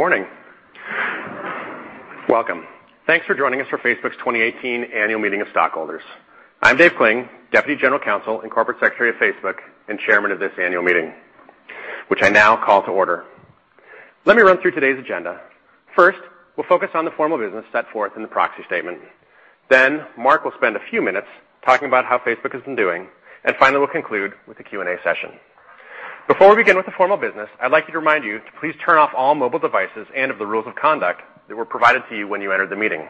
Good morning. Welcome. Thanks for joining us for Facebook's 2018 Annual Meeting of Stockholders. I'm Dave Kling, Deputy General Counsel and Corporate Secretary of Facebook, and Chairman of this annual meeting, which I now call to order. Let me run through today's agenda. First, we'll focus on the formal business set forth in the proxy statement. Mark will spend a few minutes talking about how Facebook has been doing. Finally, we'll conclude with the Q&A session. Before we begin with the formal business, I'd like to remind you to please turn off all mobile devices and of the rules of conduct that were provided to you when you entered the meeting,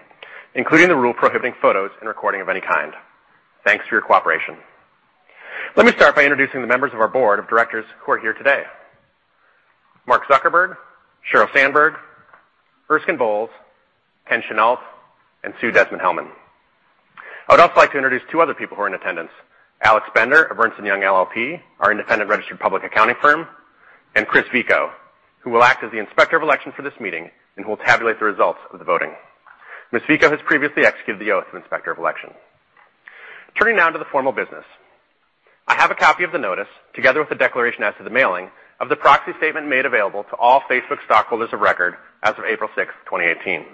including the rule prohibiting photos and recording of any kind. Thanks for your cooperation. Let me start by introducing the members of our Board of Directors who are here today. Mark Zuckerberg, Sheryl Sandberg, Erskine Bowles, Ken Chenault, and Sue Desmond-Hellmann. I would also like to introduce two other people who are in attendance, Alex Bender of Ernst & Young LLP, our independent registered public accounting firm, and Chris Vico, who will act as the Inspector of Election for this meeting and who will tabulate the results of the voting. Ms. Vico has previously executed the Oath of Inspector of Election. Turning now to the formal business. I have a copy of the notice, together with the declaration as to the mailing of the proxy statement made available to all Facebook stockholders of record as of April 6th, 2018.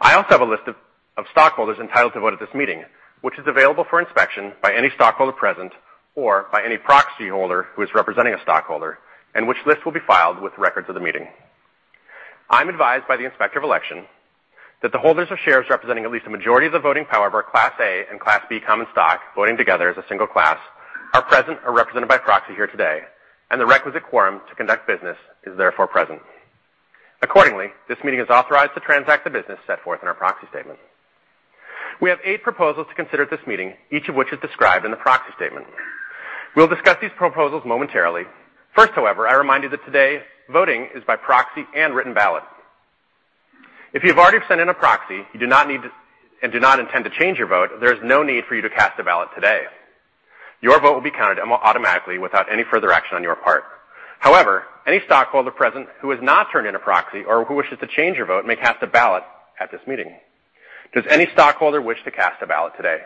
I also have a list of stockholders entitled to vote at this meeting, which is available for inspection by any stockholder present or by any proxy holder who is representing a stockholder and which list will be filed with records of the meeting. I'm advised by the Inspector of Election that the holders of shares representing at least a majority of the voting power of our Class A and Class B common stock, voting together as a single class, are present or represented by proxy here today, and the requisite quorum to conduct business is therefore present. Accordingly, this meeting is authorized to transact the business set forth in our proxy statement. We have eight proposals to consider at this meeting, each of which is described in the proxy statement. We'll discuss these proposals momentarily. First, however, I remind you that today voting is by proxy and written ballot. If you have already sent in a proxy and do not intend to change your vote, there is no need for you to cast a ballot today. Your vote will be counted automatically without any further action on your part. However, any stockholder present who has not turned in a proxy or who wishes to change your vote may cast a ballot at this meeting. Does any stockholder wish to cast a ballot today?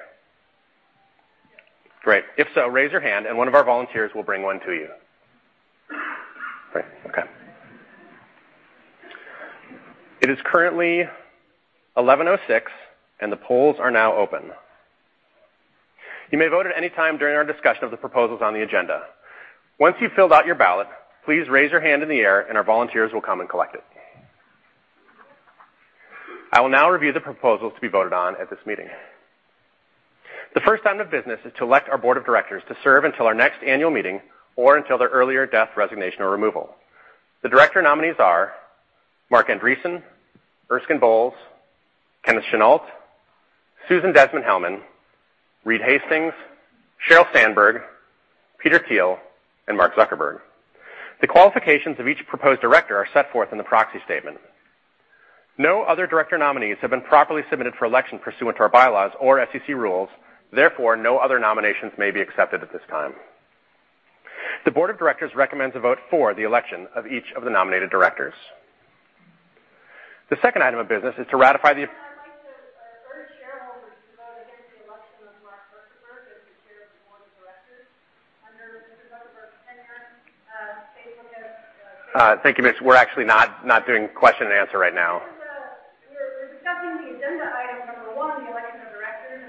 Great. If so, raise your hand and one of our volunteers will bring one to you. Great. Okay. It is currently 11:06 A.M., and the polls are now open. You may vote at any time during our discussion of the proposals on the agenda. Once you've filled out your ballot, please raise your hand in the air and our volunteers will come and collect it. I will now review the proposals to be voted on at this meeting. The first item of business is to elect our board of directors to serve until our next annual meeting or until their earlier death, resignation, or removal. The director nominees are Marc Andreessen, Erskine Bowles, Kenneth Chenault, Sue Desmond-Hellmann, Reed Hastings, Sheryl Sandberg, Peter Thiel, and Mark Zuckerberg. The qualifications of each proposed director are set forth in the proxy statement. No other director nominees have been properly submitted for election pursuant to our bylaws or SEC rules. Therefore, no other nominations may be accepted at this time. The board of directors recommends a vote for the election of each of the nominated directors. The second item of business is to ratify the- I'd like to urge shareholders to vote against the election of Mark Zuckerberg as the chair of the board of directors. Under Mr. Zuckerberg's tenure, Facebook has- Thank you, miss. We're actually not doing question and answer right now.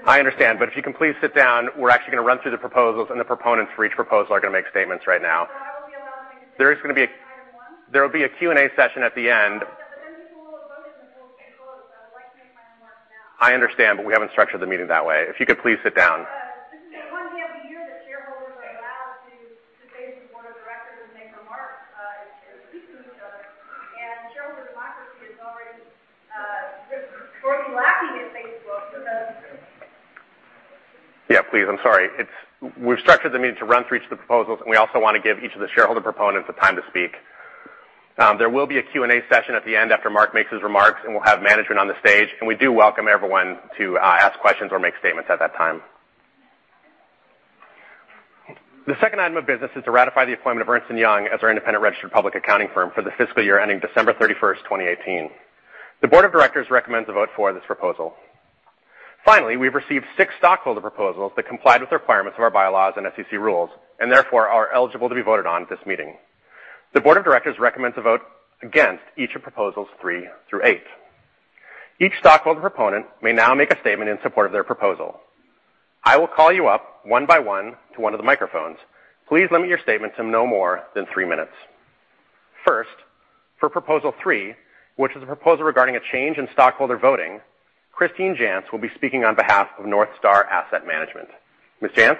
We're discussing the agenda item number one, the election of directors. I understand, if you can please sit down, we're actually going to run through the proposals, the proponents for each proposal are going to make statements right now. That will be allowing me to speak on item one? There will be a Q&A session at the end. People will have voted and the polls will be closed. I would like to make my remarks now. I understand. We haven't structured the meeting that way. If you could please sit down. This is the one day of the year that shareholders are allowed to face the board of directors and make remarks and speak to each other. Shareholder democracy is already greatly lacking at Facebook because. Yeah, please. I'm sorry. We've structured the meeting to run through each of the proposals. We also want to give each of the shareholder proponents the time to speak. There will be a Q&A session at the end after Mark makes his remarks. We'll have management on the stage, and we do welcome everyone to ask questions or make statements at that time. The second item of business is to ratify the appointment of Ernst & Young as our independent registered public accounting firm for the fiscal year ending December 31st, 2018. The board of directors recommends a vote for this proposal. Finally, we've received six stockholder proposals that complied with the requirements of our bylaws and SEC rules and therefore are eligible to be voted on at this meeting. The board of directors recommends a vote against each of proposals three through eight. Each stockholder proponent may now make a statement in support of their proposal. I will call you up one by one to one of the microphones. Please limit your statement to no more than three minutes. First, for proposal three, which is a proposal regarding a change in stockholder voting, Christine Jantz will be speaking on behalf of North Star Asset Management. Ms. Jantz?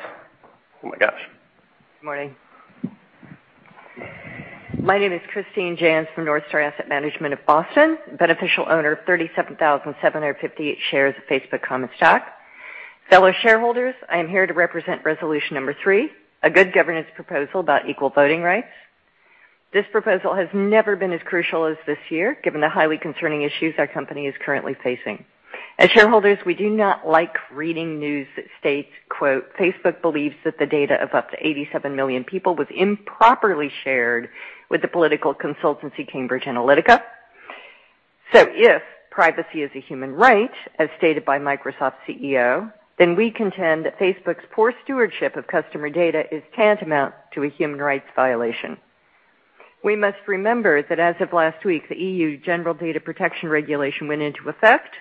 Oh, my gosh. Good morning. My name is Christine Jantz from North Star Asset Management of Boston, beneficial owner of 37,758 shares of Facebook common stock. Fellow shareholders, I am here to represent resolution number 3, a good governance proposal about equal voting rights. This proposal has never been as crucial as this year, given the highly concerning issues our company is currently facing. As shareholders, we do not like reading news that states, quote, "Facebook believes that the data of up to 87 million people was improperly shared with the political consultancy Cambridge Analytica." If privacy is a human right, as stated by Microsoft's CEO, then we contend that Facebook's poor stewardship of customer data is tantamount to a human rights violation. We must remember that as of last week, the EU General Data Protection Regulation went into effect,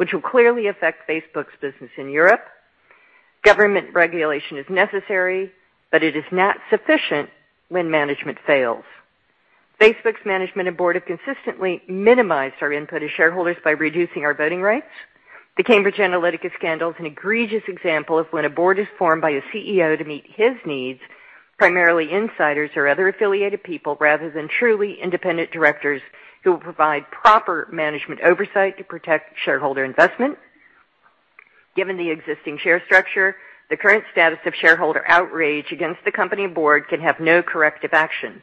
which will clearly affect Facebook's business in Europe. Government regulation is necessary, it is not sufficient when management fails. Facebook's management and board have consistently minimized our input as shareholders by reducing our voting rights. The Cambridge Analytica scandal is an egregious example of when a board is formed by a CEO to meet his needs, primarily insiders or other affiliated people, rather than truly independent directors who will provide proper management oversight to protect shareholder investment. Given the existing share structure, the current status of shareholder outrage against the company board can have no corrective action.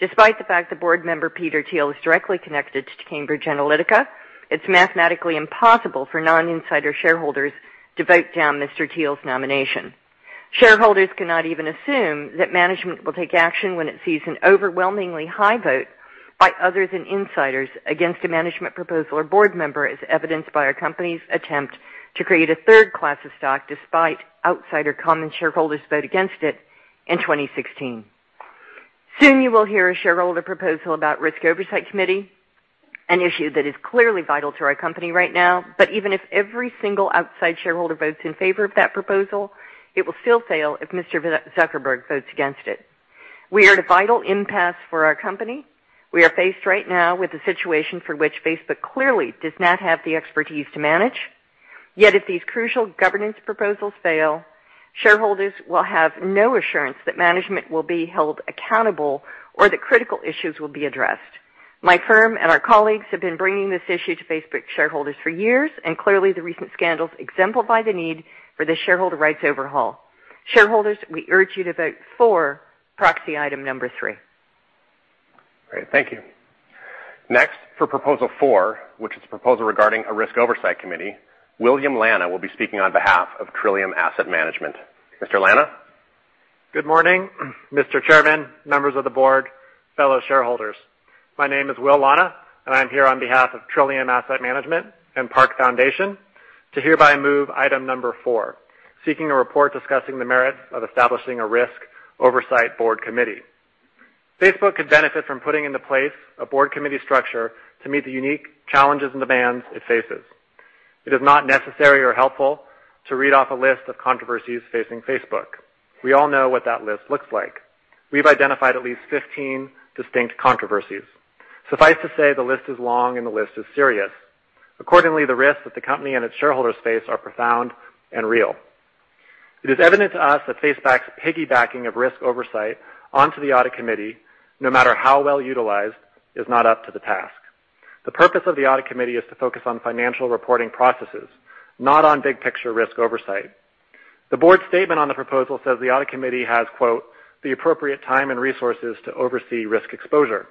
Despite the fact the board member, Peter Thiel, is directly connected to Cambridge Analytica, it is mathematically impossible for non-insider shareholders to vote down Mr. Thiel's nomination. Shareholders cannot even assume that management will take action when it sees an overwhelmingly high vote by others and insiders against a management proposal or board member as evidenced by a company's attempt to create a third class of stock despite outsider common shareholders vote against it in 2016. Soon, you will hear a shareholder proposal about risk oversight committee, an issue that is clearly vital to our company right now, even if every single outside shareholder votes in favor of that proposal, it will still fail if Mr. Zuckerberg votes against it. We are at a vital impasse for our company. We are faced right now with a situation for which Facebook clearly does not have the expertise to manage. If these crucial governance proposals fail, shareholders will have no assurance that management will be held accountable or that critical issues will be addressed. My firm and our colleagues have been bringing this issue to Facebook shareholders for years, clearly the recent scandals exemplify the need for the shareholder rights overhaul. Shareholders, we urge you to vote for proxy item number 3. Thank you. For proposal 4, which is a proposal regarding a risk oversight committee, William Lana will be speaking on behalf of Trillium Asset Management. Mr. Lana. Good morning, Mr. Chairman, members of the board, fellow shareholders. My name is Will Lana, and I am here on behalf of Trillium Asset Management and Park Foundation to hereby move item 4, seeking a report discussing the merits of establishing a risk oversight board committee. Facebook could benefit from putting into place a board committee structure to meet the unique challenges and demands it faces. It is not necessary or helpful to read off a list of controversies facing Facebook. We all know what that list looks like. We have identified at least 15 distinct controversies. Suffice to say, the list is long, and the list is serious. The risks that the company and its shareholders face are profound and real. It is evident to us that Facebook's piggybacking of risk oversight onto the audit committee, no matter how well-utilized, is not up to the task. The purpose of the audit committee is to focus on financial reporting processes, not on big-picture risk oversight. The board's statement on the proposal says the audit committee has, quote, "the appropriate time and resources to oversee risk exposure."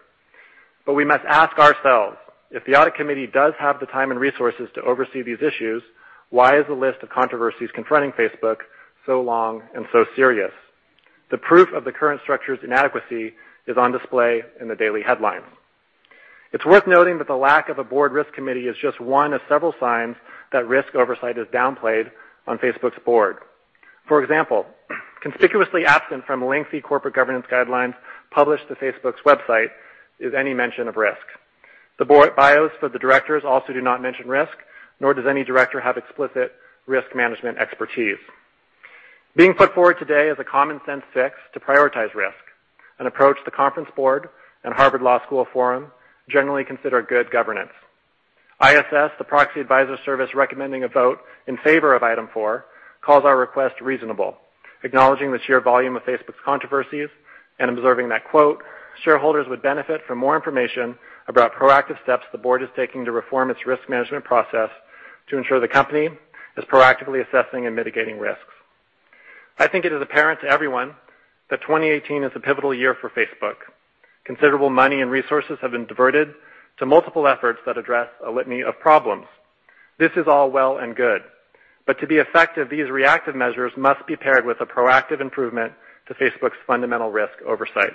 We must ask ourselves, if the audit committee does have the time and resources to oversee these issues, why is the list of controversies confronting Facebook so long and so serious? The proof of the current structure's inadequacy is on display in the daily headlines. It is worth noting that the lack of a board risk committee is just one of several signs that risk oversight is downplayed on Facebook's board. For example, conspicuously absent from lengthy corporate governance guidelines published to Facebook's website is any mention of risk. The board bios for the directors also do not mention risk, nor does any director have explicit risk management expertise. Being put forward today is a common sense fix to prioritize risk, an approach The Conference Board and Harvard Law School Forum generally consider good governance. ISS, the proxy advisor service recommending a vote in favor of item 4, calls our request reasonable, acknowledging the sheer volume of Facebook's controversies and observing that, quote, "Shareholders would benefit from more information about proactive steps the board is taking to reform its risk management process to ensure the company is proactively assessing and mitigating risks." I think it is apparent to everyone that 2018 is a pivotal year for Facebook. Considerable money and resources have been diverted to multiple efforts that address a litany of problems. This is all well and good, but to be effective, these reactive measures must be paired with a proactive improvement to Facebook's fundamental risk oversight.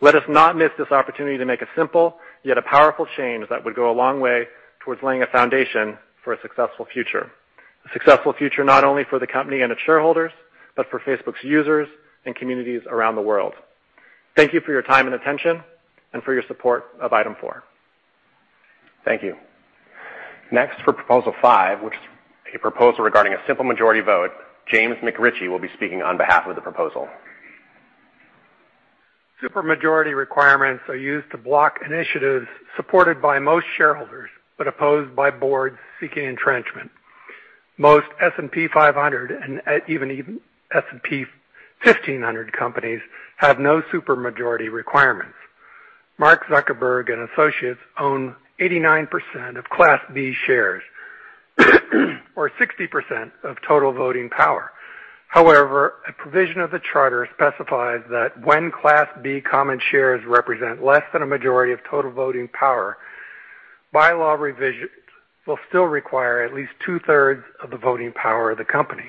Let us not miss this opportunity to make a simple, yet a powerful change that would go a long way towards laying a foundation for a successful future. A successful future not only for the company and its shareholders, but for Facebook's users and communities around the world. Thank you for your time and attention and for your support of item four. Thank you. Next for proposal five, which is a proposal regarding a simple majority vote, James McRitchie will be speaking on behalf of the proposal. Super majority requirements are used to block initiatives supported by most shareholders but opposed by boards seeking entrenchment. Most S&P 500 and even S&P 1500 companies have no super majority requirements. Mark Zuckerberg and associates own 89% of Class B shares or 60% of total voting power. However, a provision of the charter specifies that when Class B common shares represent less than a majority of total voting power, bylaw revisions will still require at least two-thirds of the voting power of the company.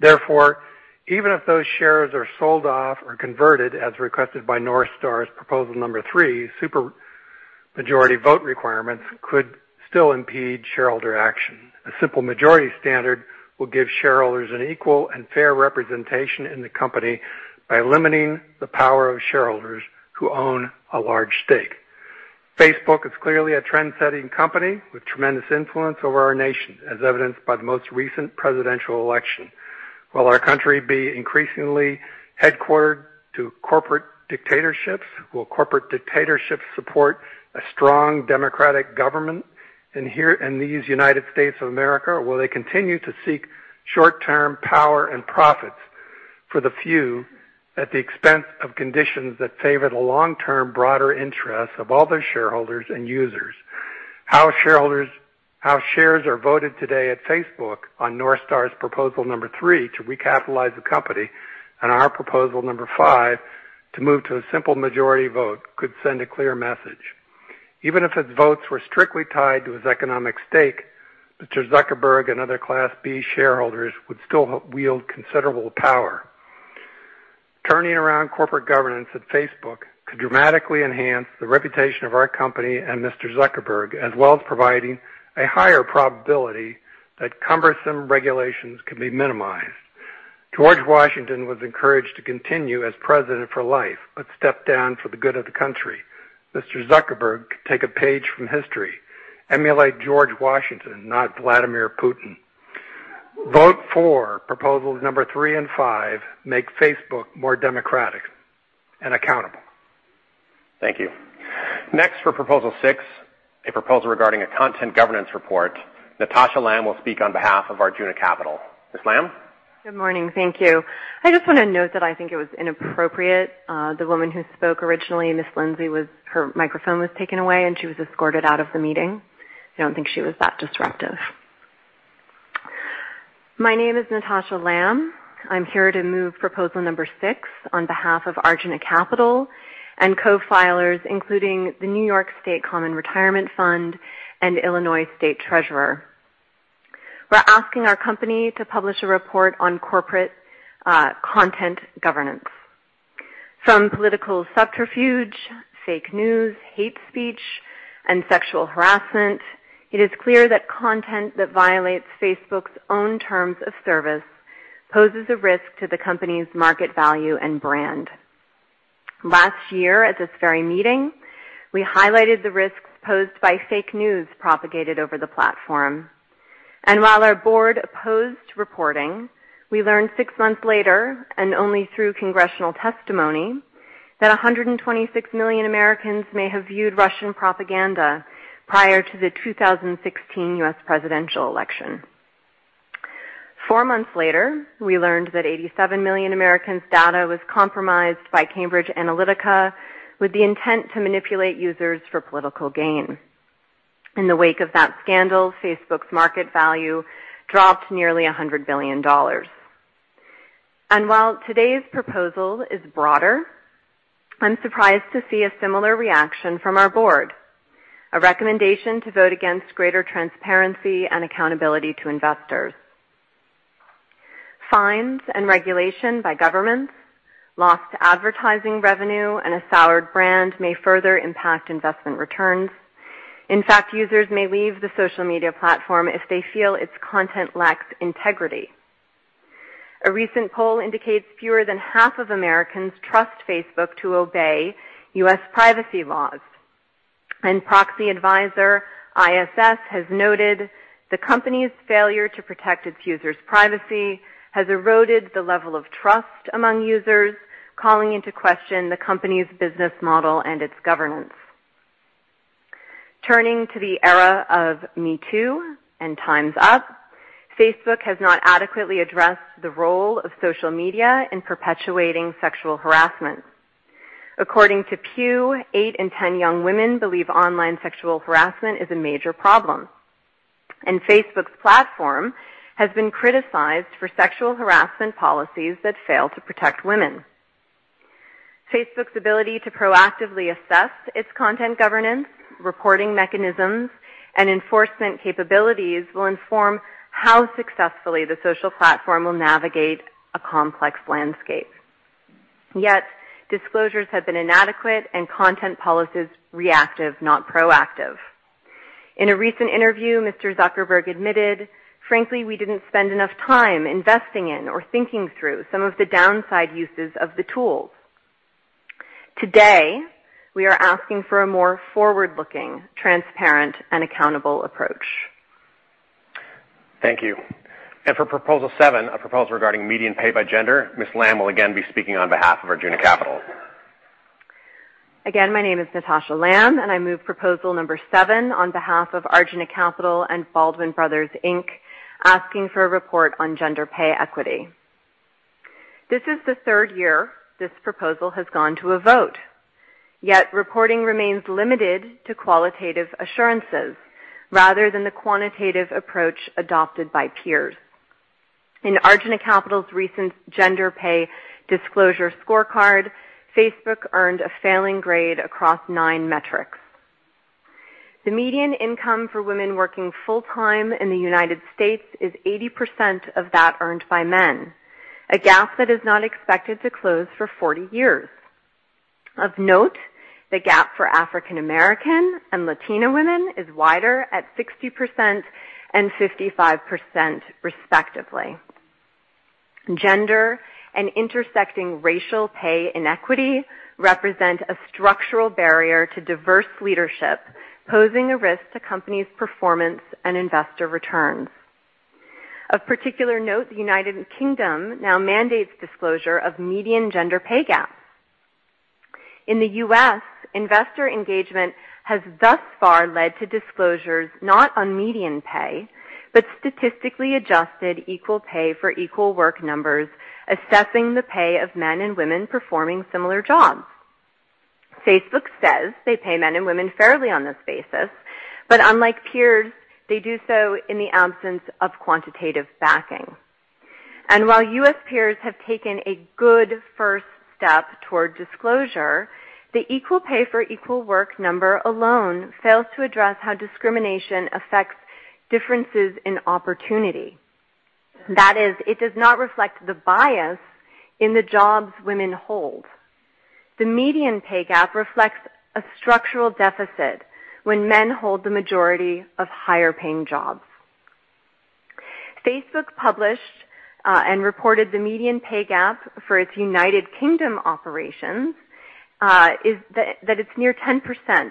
Therefore, even if those shares are sold off or converted as requested by NorthStar's proposal number three, super majority vote requirements could still impede shareholder action. A simple majority standard will give shareholders an equal and fair representation in the company by limiting the power of shareholders who own a large stake. Facebook is clearly a trendsetting company with tremendous influence over our nation, as evidenced by the most recent presidential election. Will our country be increasingly headquartered to corporate dictatorships? Will corporate dictatorships support a strong democratic government in these United States of America, or will they continue to seek short-term power and profits for the few at the expense of conditions that favor the long-term broader interests of all their shareholders and users? How shares are voted today at Facebook on NorthStar's proposal number three to recapitalize the company and our proposal number five to move to a simple majority vote could send a clear message. Even if his votes were strictly tied to his economic stake, Mr. Zuckerberg and other Class B shareholders would still wield considerable power. Turning around corporate governance at Facebook could dramatically enhance the reputation of our company and Mr. Zuckerberg, as well as providing a higher probability that cumbersome regulations can be minimized. George Washington was encouraged to continue as president for life but stepped down for the good of the country. Mr. Zuckerberg could take a page from history. Emulate George Washington, not Vladimir Putin. Vote for proposals number three and five. Make Facebook more democratic and accountable. Thank you. Next, for proposal six, a proposal regarding a content governance report. Natasha Lamb will speak on behalf of Arjuna Capital. Ms. Lamb. Good morning. Thank you. I just want to note that I think it was inappropriate, the woman who spoke originally, Ms. Lindsay, her microphone was taken away, and she was escorted out of the meeting. I don't think she was that disruptive. My name is Natasha Lamb. I'm here to move proposal number six on behalf of Arjuna Capital and co-filers, including the New York State Common Retirement Fund and Illinois State Treasurer. We're asking our company to publish a report on corporate content governance. From political subterfuge, fake news, hate speech, and sexual harassment, it is clear that content that violates Facebook's own terms of service poses a risk to the company's market value and brand. Last year, at this very meeting, we highlighted the risks posed by fake news propagated over the platform. While our board opposed reporting, we learned six months later, and only through congressional testimony, that 126 million Americans may have viewed Russian propaganda prior to the 2016 U.S. presidential election. Four months later, we learned that 87 million Americans' data was compromised by Cambridge Analytica with the intent to manipulate users for political gain. In the wake of that scandal, Facebook's market value dropped nearly $100 billion. While today's proposal is broader, I'm surprised to see a similar reaction from our board, a recommendation to vote against greater transparency and accountability to investors. Fines and regulation by governments, lost advertising revenue, and a soured brand may further impact investment returns. In fact, users may leave the social media platform if they feel its content lacks integrity. A recent poll indicates fewer than half of Americans trust Facebook to obey U.S. privacy laws. Proxy advisor ISS has noted the company's failure to protect its users' privacy has eroded the level of trust among users, calling into question the company's business model and its governance. Turning to the era of MeToo and Time's Up, Facebook has not adequately addressed the role of social media in perpetuating sexual harassment. According to Pew, 8 in 10 young women believe online sexual harassment is a major problem, and Facebook's platform has been criticized for sexual harassment policies that fail to protect women. Facebook's ability to proactively assess its content governance, reporting mechanisms, and enforcement capabilities will inform how successfully the social platform will navigate a complex landscape. Yet disclosures have been inadequate and content policies reactive, not proactive. In a recent interview, Mr. Zuckerberg admitted, "Frankly, we didn't spend enough time investing in or thinking through some of the downside uses of the tools." Today, we are asking for a more forward-looking, transparent, and accountable approach. Thank you. For proposal 7, a proposal regarding median pay by gender, Ms. Lamb will again be speaking on behalf of Arjuna Capital. Again, my name is Natasha Lamb, I move proposal number 7 on behalf of Arjuna Capital and Baldwin Brothers, Inc., asking for a report on gender pay equity. This is the third year this proposal has gone to a vote, yet reporting remains limited to qualitative assurances rather than the quantitative approach adopted by peers. In Arjuna Capital's recent gender pay disclosure scorecard, Facebook earned a failing grade across nine metrics. The median income for women working full-time in the United States is 80% of that earned by men, a gap that is not expected to close for 40 years. Of note, the gap for African American and Latino women is wider at 60% and 55% respectively. Gender and intersecting racial pay inequity represent a structural barrier to diverse leadership, posing a risk to companies' performance and investor returns. Of particular note, the U.K. now mandates disclosure of median gender pay gaps. In the U.S., investor engagement has thus far led to disclosures not on median pay, but statistically adjusted equal pay for equal work numbers, assessing the pay of men and women performing similar jobs. Facebook says they pay men and women fairly on this basis, but unlike peers, they do so in the absence of quantitative backing. While U.S. peers have taken a good first step toward disclosure, the equal pay for equal work number alone fails to address how discrimination affects differences in opportunity. That is, it does not reflect the bias in the jobs women hold. The median pay gap reflects a structural deficit when men hold the majority of higher-paying jobs. Facebook published and reported the median pay gap for its U.K. operations, that it's near 10%,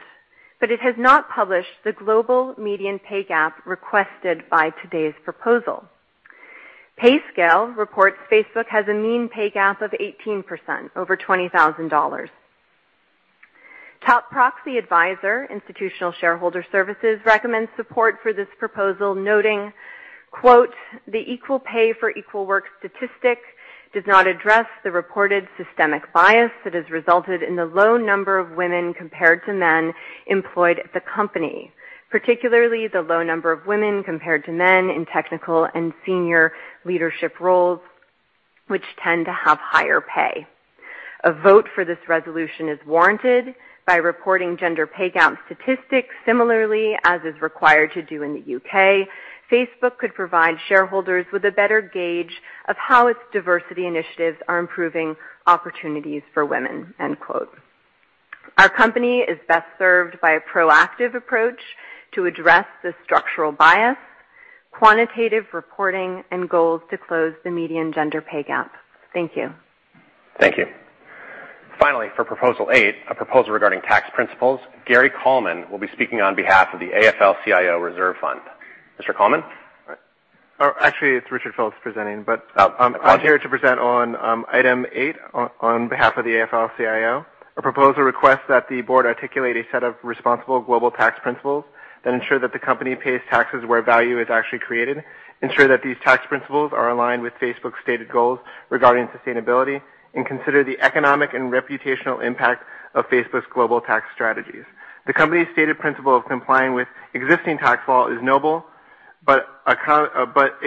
but it has not published the global median pay gap requested by today's proposal. PayScale reports Facebook has a mean pay gap of 18%, over $20,000. Top proxy advisor, Institutional Shareholder Services, recommends support for this proposal, noting, "The equal pay for equal work statistic does not address the reported systemic bias that has resulted in the low number of women compared to men employed at the company, particularly the low number of women compared to men in technical and senior leadership roles, which tend to have higher pay. A vote for this resolution is warranted by reporting gender pay gap statistics similarly, as is required to do in the U.K. Facebook could provide shareholders with a better gauge of how its diversity initiatives are improving opportunities for women. Our company is best served by a proactive approach to address this structural bias, quantitative reporting, and goals to close the median gender pay gap. Thank you. Thank you. Finally, for Proposal 8, a proposal regarding tax principles, Richard Phillips will be speaking on behalf of the AFL-CIO Reserve Fund. Mr. Kallman? Actually, it's Richard Phillips presenting. Oh. I'm here to present on Item 8 on behalf of the AFL-CIO. Our proposal requests that the board articulate a set of responsible global tax principles that ensure that the company pays taxes where value is actually created, ensure that these tax principles are aligned with Facebook's stated goals regarding sustainability, and consider the economic and reputational impact of Facebook's global tax strategies. The company's stated principle of complying with existing tax law is noble, but a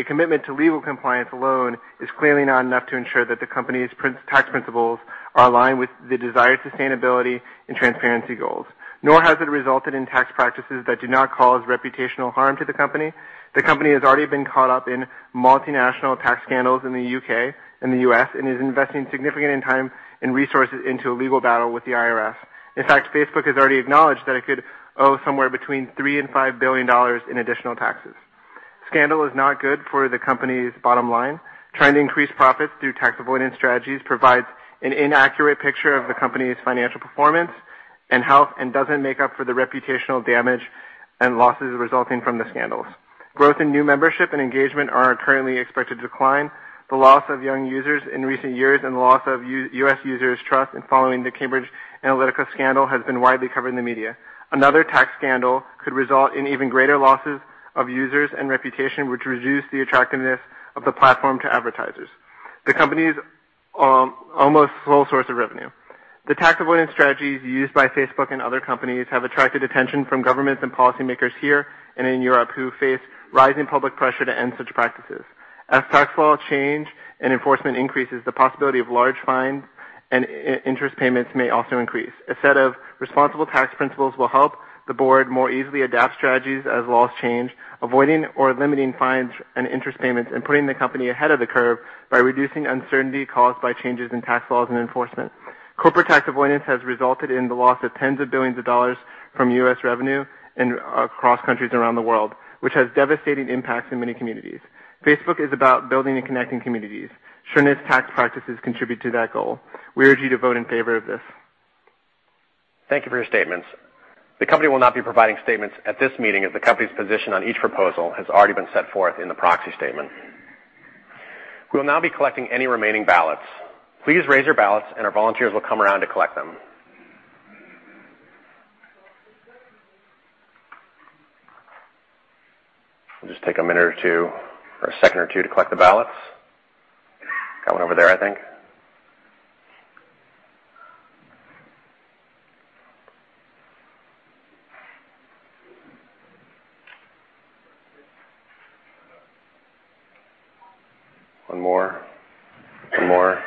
commitment to legal compliance alone is clearly not enough to ensure that the company's tax principles are aligned with the desired sustainability and transparency goals, nor has it resulted in tax practices that do not cause reputational harm to the company. The company has already been caught up in multinational tax scandals in the U.K. and the U.S. and is investing significant time and resources into a legal battle with the IRS. In fact, Facebook has already acknowledged that it could owe somewhere between $3 billion and $5 billion in additional taxes. Scandal is not good for the company's bottom line. Trying to increase profits through tax avoidance strategies provides an inaccurate picture of the company's financial performance and doesn't make up for the reputational damage and losses resulting from the scandals. Growth in new membership and engagement are currently expected to decline. The loss of young users in recent years and the loss of U.S. users' trust following the Cambridge Analytica scandal has been widely covered in the media. Another tax scandal could result in even greater losses of users and reputation, which reduce the attractiveness of the platform to advertisers, the company's almost sole source of revenue. The tax avoidance strategies used by Facebook and other companies have attracted attention from governments and policymakers here and in Europe, who face rising public pressure to end such practices. As tax law change and enforcement increases, the possibility of large fines and interest payments may also increase. A set of responsible tax principles will help the board more easily adapt strategies as laws change, avoiding or limiting fines and interest payments and putting the company ahead of the curve by reducing uncertainty caused by changes in tax laws and enforcement. Corporate tax avoidance has resulted in the loss of tens of billions of dollars from U.S. revenue and across countries around the world, which has devastating impacts in many communities. Facebook is about building and connecting communities. Surely its tax practices contribute to that goal. We urge you to vote in favor of this. Thank you for your statements. The company will not be providing statements at this meeting as the company's position on each proposal has already been set forth in the proxy statement. We will now be collecting any remaining ballots. Please raise your ballots and our volunteers will come around to collect them. We'll just take a minute or two, or a second or two to collect the ballots. Got one over there, I think. One more. One more.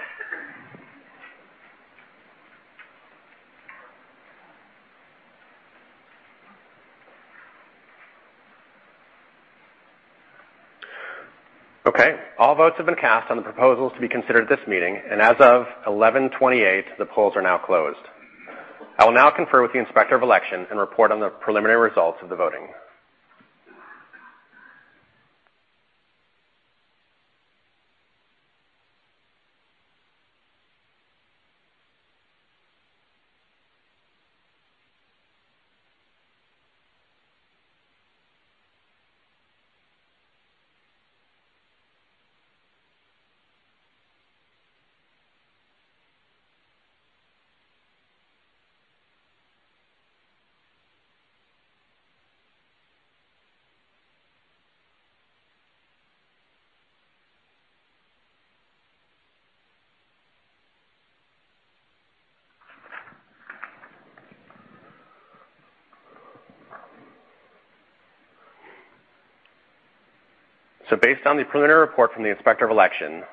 Okay. All votes have been cast on the proposals to be considered at this meeting, and as of 11:28, the polls are now closed. I will now confer with the Inspector of Election and report on the preliminary results of the voting. Based on the preliminary report from the Inspector of Election,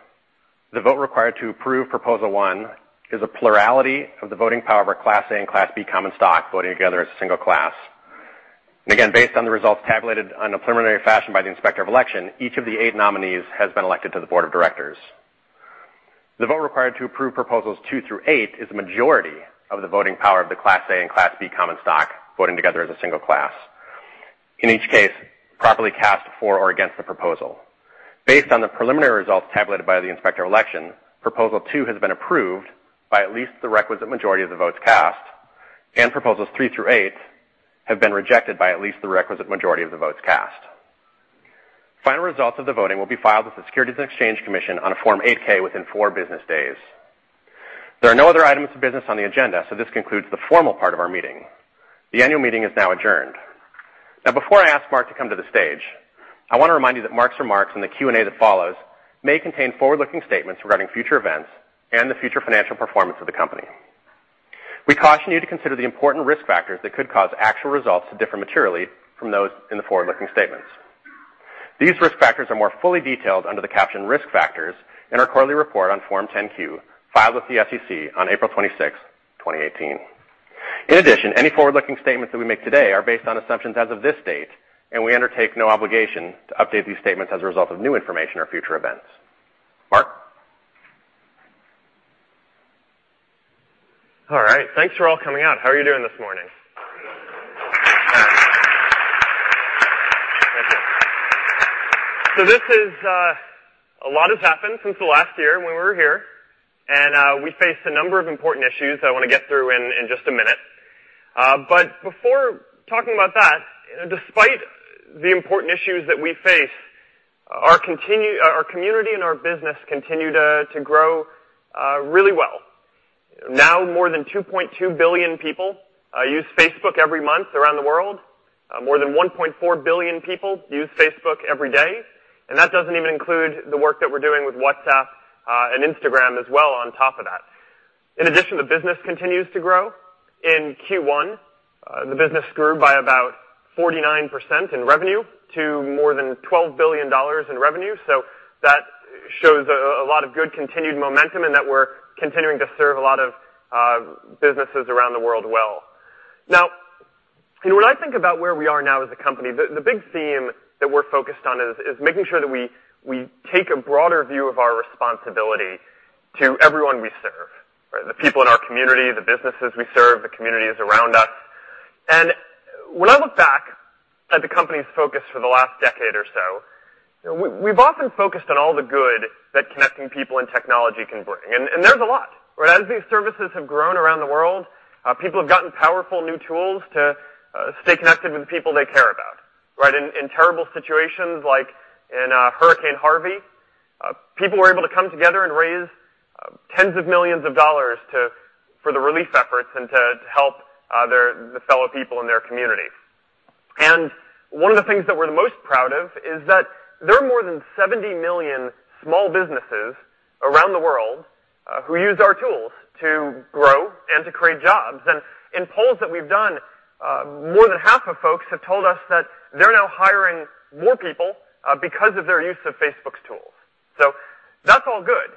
the vote required to approve Proposal One is a plurality of the voting power of our Class A and Class B common stock voting together as a single class. Again, based on the results tabulated on a preliminary fashion by the Inspector of Election, each of the eight nominees has been elected to the board of directors. The vote required to approve Proposals Two through Eight is a majority of the voting power of the Class A and Class B common stock voting together as a single class, in each case, properly cast for or against the proposal. Based on the preliminary results tabulated by the Inspector of Election, Proposal Two has been approved by at least the requisite majority of the votes cast, and Proposals Three through Eight have been rejected by at least the requisite majority of the votes cast. Final results of the voting will be filed with the Securities and Exchange Commission on a Form 8-K within four business days. There are no other items of business on the agenda, so this concludes the formal part of our meeting. The annual meeting is now adjourned. Before I ask Mark to come to the stage, I want to remind you that Mark's remarks and the Q&A that follows may contain forward-looking statements regarding future events and the future financial performance of the company. We caution you to consider the important risk factors that could cause actual results to differ materially from those in the forward-looking statements. These risk factors are more fully detailed under the caption Risk Factors in our quarterly report on Form 10-Q, filed with the SEC on April 26, 2018. In addition, any forward-looking statements that we make today are based on assumptions as of this date, and we undertake no obligation to update these statements as a result of new information or future events. Mark? All right. Thanks for all coming out. How are you doing this morning? Thank you. A lot has happened since the last year when we were here. We faced a number of important issues that I want to get through in just a minute. Before talking about that, despite the important issues that we face, our community and our business continue to grow really well. More than 2.2 billion people use Facebook every month around the world. More than 1.4 billion people use Facebook every day, and that doesn't even include the work that we're doing with WhatsApp and Instagram as well on top of that. In addition, the business continues to grow. In Q1, the business grew by about 49% in revenue to more than $12 billion in revenue. That shows a lot of good continued momentum and that we're continuing to serve a lot of businesses around the world well. When I think about where we are now as a company, the big theme that we're focused on is making sure that we take a broader view of our responsibility to everyone we serve. The people in our community, the businesses we serve, the communities around us. When I look back at the company's focus for the last decade or so, we've often focused on all the good that connecting people and technology can bring, and there's a lot. As these services have grown around the world, people have gotten powerful new tools to stay connected with people they care about, right? In terrible situations like in Hurricane Harvey, people were able to come together and raise tens of millions of dollars for the relief efforts and to help the fellow people in their communities. One of the things that we're the most proud of is that there are more than 70 million small businesses around the world who use our tools to grow and to create jobs. In polls that we've done, more than half of folks have told us that they're now hiring more people because of their use of Facebook's tools. That's all good.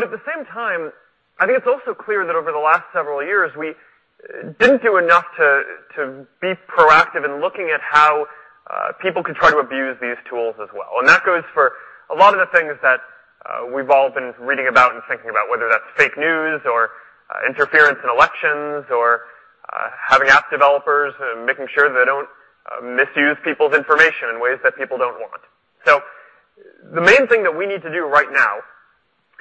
At the same time, I think it's also clear that over the last several years, we didn't do enough to be proactive in looking at how people could try to abuse these tools as well. That goes for a lot of the things that we've all been reading about and thinking about, whether that's fake news or interference in elections or having app developers, making sure they don't misuse people's information in ways that people don't want. The main thing that we need to do right now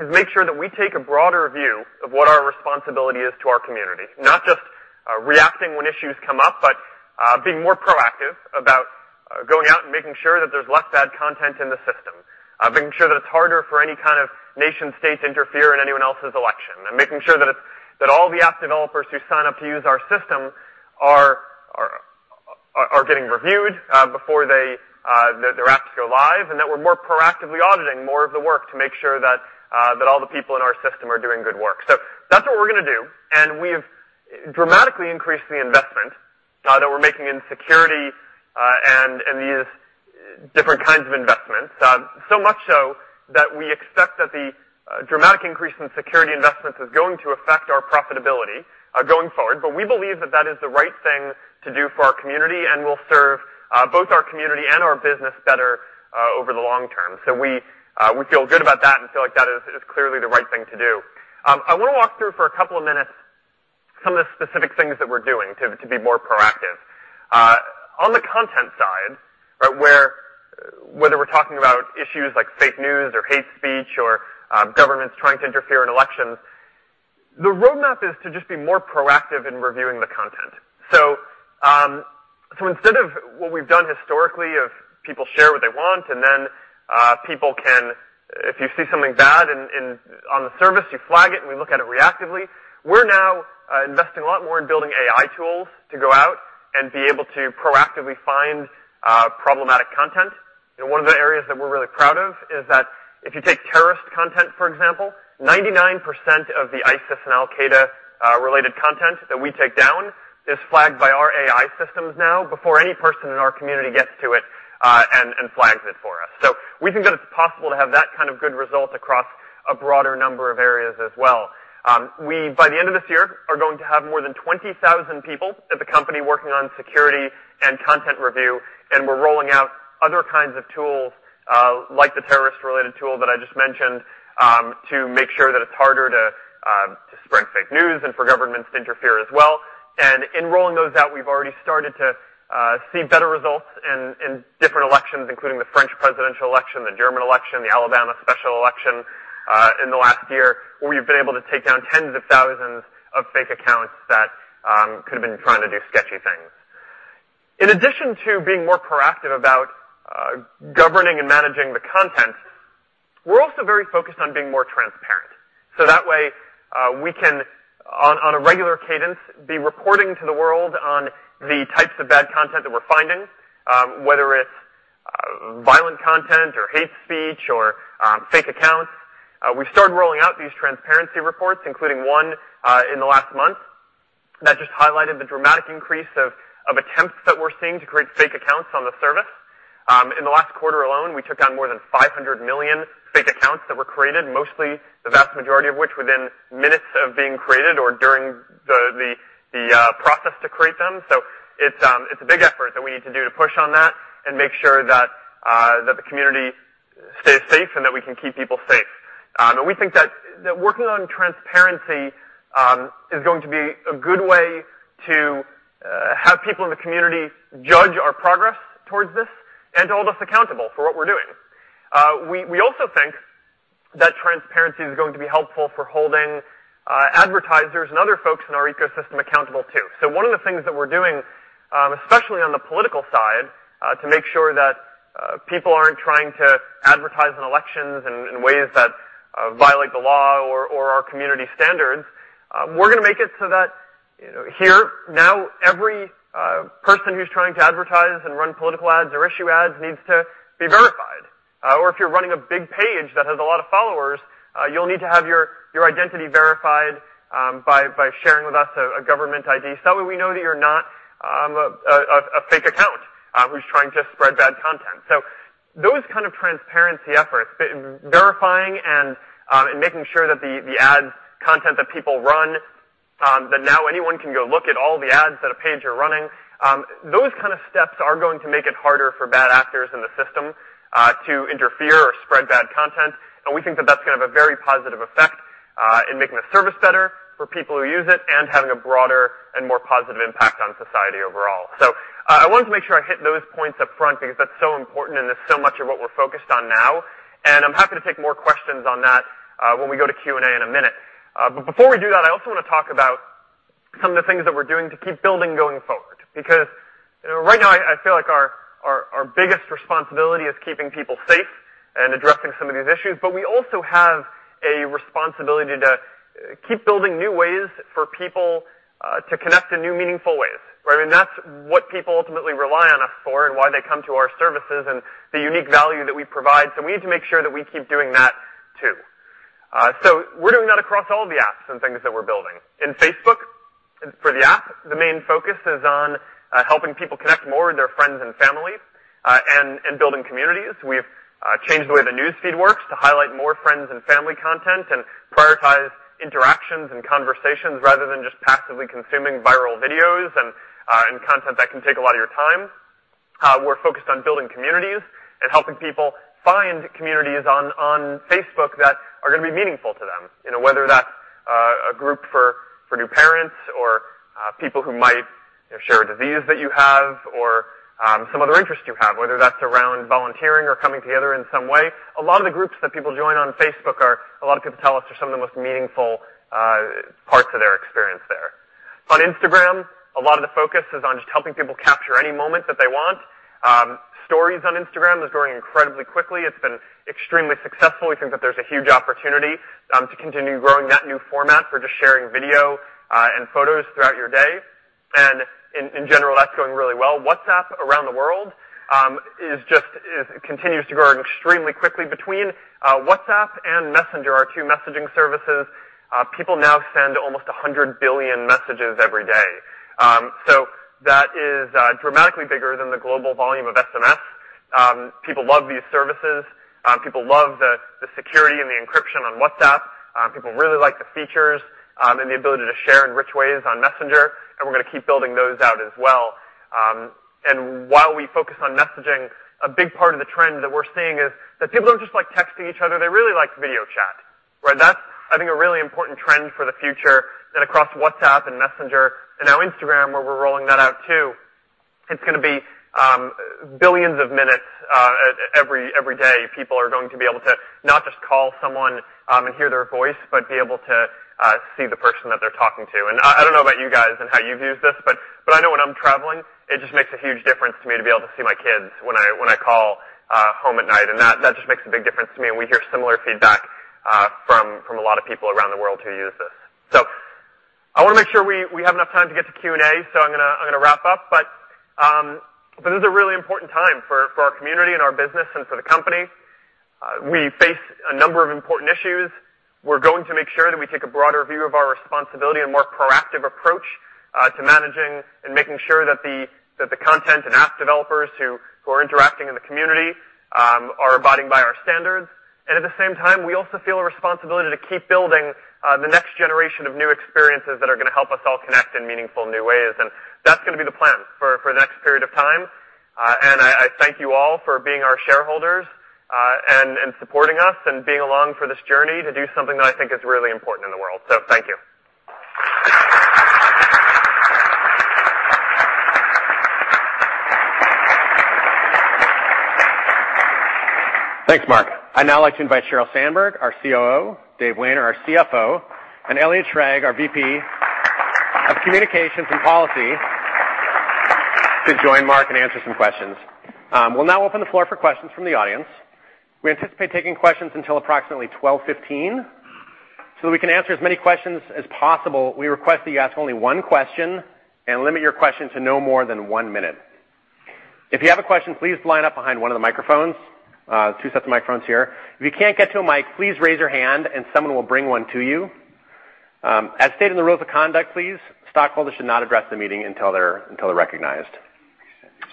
is make sure that we take a broader view of what our responsibility is to our community, not just reacting when issues come up, but being more proactive about going out and making sure that there's less bad content in the system, making sure that it's harder for any kind of nation state to interfere in anyone else's election, and making sure that all the app developers who sign up to use our system are getting reviewed before their apps go live, and that we're more proactively auditing more of the work to make sure that all the people in our system are doing good work. That's what we're going to do, and we've dramatically increased the investment that we're making in security and these different kinds of investments. Much so that we expect that the dramatic increase in security investments is going to affect our profitability going forward. We believe that that is the right thing to do for our community, and will serve both our community and our business better over the long term. We feel good about that and feel like that is clearly the right thing to do. I want to walk through for a couple of minutes some of the specific things that we're doing to be more proactive. On the content side, whether we're talking about issues like fake news or hate speech or governments trying to interfere in elections, the roadmap is to just be more proactive in reviewing the content. Instead of what we've done historically of people share what they want and then people can, if you see something bad on the service, you flag it and we look at it reactively. We're now investing a lot more in building AI tools to go out and be able to proactively find problematic content. One of the areas that we're really proud of is that if you take terrorist content, for example, 99% of the ISIS and Al-Qaeda-related content that we take down is flagged by our AI systems now before any person in our community gets to it and flags it for us. We think that it's possible to have that kind of good result across a broader number of areas as well. We, by the end of this year, are going to have more than 20,000 people at the company working on security and content review, and we're rolling out other kinds of tools like the terrorist-related tool that I just mentioned to make sure that it's harder to spread fake news and for governments to interfere as well. In rolling those out, we've already started to see better results in different elections, including the French presidential election, the German election, the Alabama special election in the last year, where we've been able to take down tens of thousands of fake accounts that could have been trying to do sketchy things. In addition to being more proactive about governing and managing the content, we're also very focused on being more transparent. That way we can, on a regular cadence, be reporting to the world on the types of bad content that we're finding, whether it's violent content or hate speech or fake accounts. We started rolling out these transparency reports, including one in the last month that just highlighted the dramatic increase of attempts that we're seeing to create fake accounts on the service. In the last quarter alone, we took down more than 500 million fake accounts that were created, mostly the vast majority of which within minutes of being created or during the process to create them. It's a big effort that we need to do to push on that and make sure that the community stays safe and that we can keep people safe. We think that working on transparency is going to be a good way to have people in the community judge our progress towards this and hold us accountable for what we're doing. We also think that transparency is going to be helpful for holding advertisers and other folks in our ecosystem accountable too. One of the things that we're doing, especially on the political side, to make sure that people aren't trying to advertise in elections in ways that violate the law or our community standards. We're going to make it so that here now every person who's trying to advertise and run political ads or issue ads needs to be verified. If you're running a big page that has a lot of followers, you'll need to have your identity verified by sharing with us a government ID. That way we know that you're not a fake account who's trying to spread bad content. Those kind of transparency efforts, verifying and making sure that the ad content that people run, that now anyone can go look at all the ads that a page are running. Those kind of steps are going to make it harder for bad actors in the system to interfere or spread bad content. We think that that's going to have a very positive effect in making the service better for people who use it and having a broader and more positive impact on society overall. I wanted to make sure I hit those points up front because that's so important, and it's so much of what we're focused on now, and I'm happy to take more questions on that when we go to Q&A in a minute. Before we do that, I also want to talk about some of the things that we're doing to keep building going forward. Right now I feel like our biggest responsibility is keeping people safe and addressing some of these issues. We also have a responsibility to keep building new ways for people to connect in new, meaningful ways. That's what people ultimately rely on us for and why they come to our services and the unique value that we provide. We need to make sure that we keep doing that, too. We're doing that across all the apps and things that we're building. In Facebook, for the app, the main focus is on helping people connect more with their friends and family, and building communities. We've changed the way the news feed works to highlight more friends and family content and prioritize interactions and conversations, rather than just passively consuming viral videos and content that can take a lot of your time. We're focused on building communities and helping people find communities on Facebook that are going to be meaningful to them, whether that's a group for new parents or people who might share a disease that you have or some other interest you have, whether that's around volunteering or coming together in some way. A lot of the groups that people join on Facebook are, a lot of people tell us, are some of the most meaningful parts of their experience there. On Instagram, a lot of the focus is on just helping people capture any moment that they want. Stories on Instagram is growing incredibly quickly. It's been extremely successful. We think that there's a huge opportunity to continue growing that new format for just sharing video and photos throughout your day. In general, that's going really well. WhatsApp around the world continues to grow extremely quickly. Between WhatsApp and Messenger, our two messaging services, people now send almost 100 billion messages every day. That is dramatically bigger than the global volume of SMS. People love these services. People love the security and the encryption on WhatsApp. People really like the features and the ability to share in rich ways on Messenger, and we're going to keep building those out as well. While we focus on messaging, a big part of the trend that we're seeing is that people don't just like texting each other, they really like video chat. That's, I think, a really important trend for the future and across WhatsApp and Messenger and now Instagram, where we're rolling that out too. It's going to be billions of minutes every day. People are going to be able to not just call someone and hear their voice, but be able to see the person that they're talking to. I don't know about you guys and how you've used this, but I know when I'm traveling, it just makes a huge difference to me to be able to see my kids when I call home at night. That just makes a big difference to me, and we hear similar feedback from a lot of people around the world who use this. I want to make sure we have enough time to get to Q&A, so I'm going to wrap up. This is a really important time for our community and our business and for the company. We face a number of important issues. We're going to make sure that we take a broader view of our responsibility and more proactive approach to managing and making sure that the content and app developers who are interacting in the community are abiding by our standards. At the same time, we also feel a responsibility to keep building the next generation of new experiences that are going to help us all connect in meaningful new ways. That's going to be the plan for the next period of time. I thank you all for being our shareholders and supporting us and being along for this journey to do something that I think is really important in the world. Thank you. Thanks, Mark. I'd now like to invite Sheryl Sandberg, our COO, David Wehner, our CFO, and Elliot Schrage, our VP of Communications and Policy to join Mark and answer some questions. We'll now open the floor for questions from the audience. We anticipate taking questions until approximately 12:15 P.M. That we can answer as many questions as possible, we request that you ask only one question and limit your question to no more than one minute. If you have a question, please line up behind one of the microphones, two sets of microphones here. If you can't get to a mic, please raise your hand and someone will bring one to you. As stated in the rules of conduct, please, stockholders should not address the meeting until they're recognized.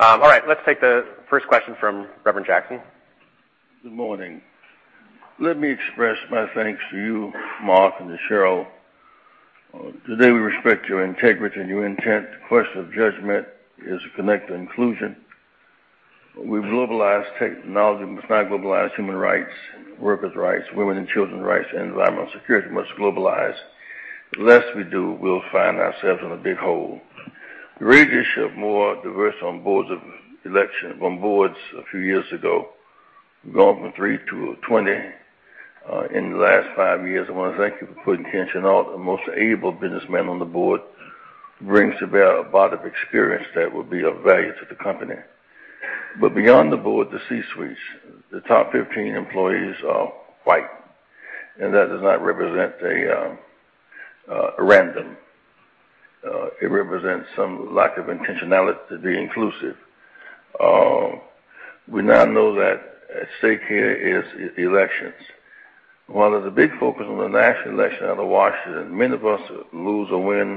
All right. Let's take the first question from Reverend Jackson. Good morning. Let me express my thanks to you, Mark, and to Sheryl. Today, we respect your integrity and your intent. The question of judgment is to connect to inclusion. We've globalized technology, it's not globalized human rights, workers' rights, women and children rights, and environmental security must globalize. The less we do, we'll find ourselves in a big hole. We originally should have more diverse on boards of election, on boards a few years ago. We've gone from three to 20 in the last five years. I want to thank you for putting tension on the most able businessmen on the board who brings about a body of experience that would be of value to the company. Beyond the board, the C-suites, the top 15 employees are white, and that does not represent a random. It represents some lack of intentionality to be inclusive. We now know that at stake here is elections. One of the big focus on the national election out of Washington, many of us lose or win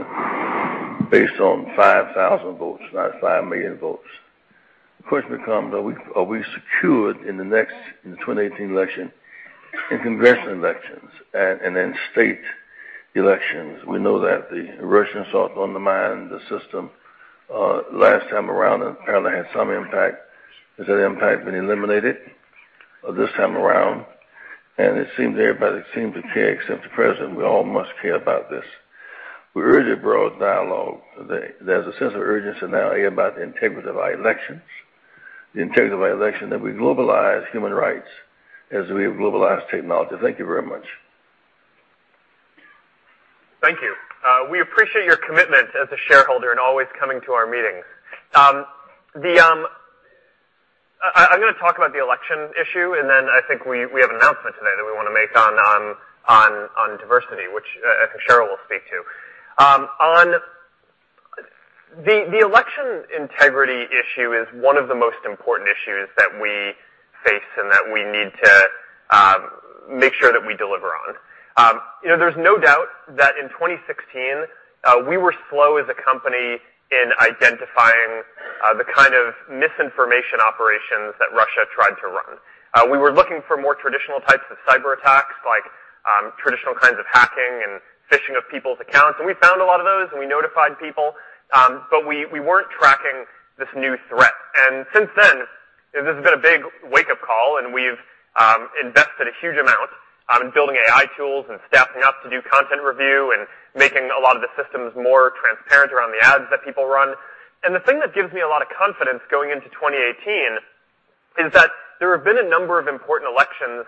based on 5,000 votes, not 5 million votes. The question becomes, are we secured in the 2018 election, in congressional elections and in state elections? We know that the Russians sought to undermine the system last time around and apparently had some impact. Has that impact been eliminated this time around? It seems everybody seems to care except the President. We all must care about this. We urge a broad dialogue. There's a sense of urgency now about the integrity of our elections, the integrity of our election, that we globalize human rights as we have globalized technology. Thank you very much. Thank you. We appreciate your commitment as a shareholder and always coming to our meetings. I'm going to talk about the election issue, then I think we have an announcement today that we want to make on diversity, which I think Sheryl will speak to. The election integrity issue is one of the most important issues that we face and that we need to make sure that we deliver on. There's no doubt that in 2016, we were slow as a company in identifying the kind of misinformation operations that Russia tried to run. We were looking for more traditional types of cyberattacks, like traditional kinds of hacking and phishing of people's accounts, we found a lot of those, and we notified people. We weren't tracking this new threat. Since then, this has been a big wake-up call, we've invested a huge amount in building AI tools and staffing up to do content review and making a lot of the systems more transparent around the ads that people run. The thing that gives me a lot of confidence going into 2018 is that there have been a number of important elections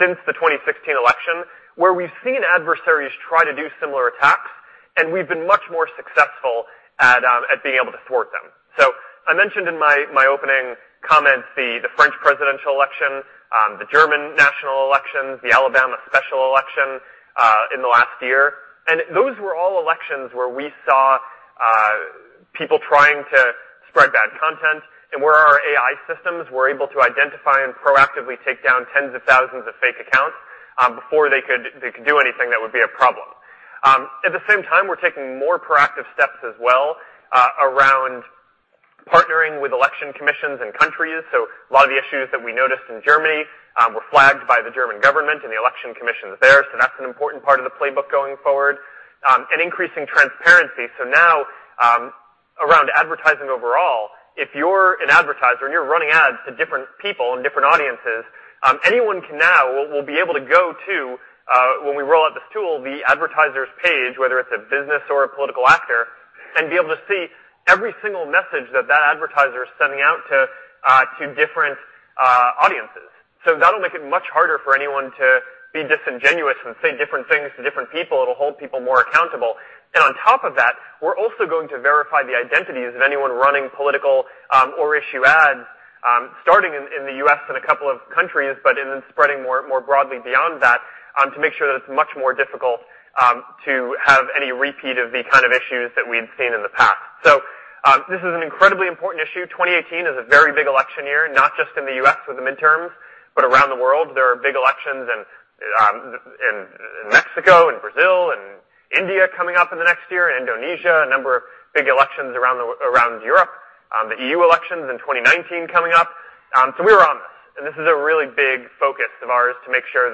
since the 2016 election, where we've seen adversaries try to do similar attacks, we've been much more successful at being able to thwart them. I mentioned in my opening comments the French presidential election, the German national elections, the Alabama special election in the last year. Those were all elections where we saw people trying to spread bad content. Where our AI systems were able to identify and proactively take down tens of thousands of fake accounts before they could do anything that would be a problem. At the same time, we're taking more proactive steps as well around partnering with election commissions and countries. A lot of the issues that we noticed in Germany were flagged by the German government and the election commissions there. That's an important part of the playbook going forward. Increasing transparency. Now, around advertising overall, if you're an advertiser and you're running ads to different people and different audiences, anyone can now, will be able to go to, when we roll out this tool, the advertiser's page, whether it's a business or a political actor, and be able to see every single message that that advertiser is sending out to different audiences. That'll make it much harder for anyone to be disingenuous and say different things to different people. It'll hold people more accountable. On top of that, we're also going to verify the identities of anyone running political or issue ads, starting in the U.S. and a couple of countries, but then spreading more broadly beyond that to make sure that it's much more difficult to have any repeat of the kind of issues that we'd seen in the past. This is an incredibly important issue. 2018 is a very big election year, not just in the U.S. with the midterms, but around the world. There are big elections in Mexico and Brazil and India coming up in the next year, Indonesia, a number of big elections around Europe. The EU elections in 2019 coming up. We are on this is a really big focus of ours to make sure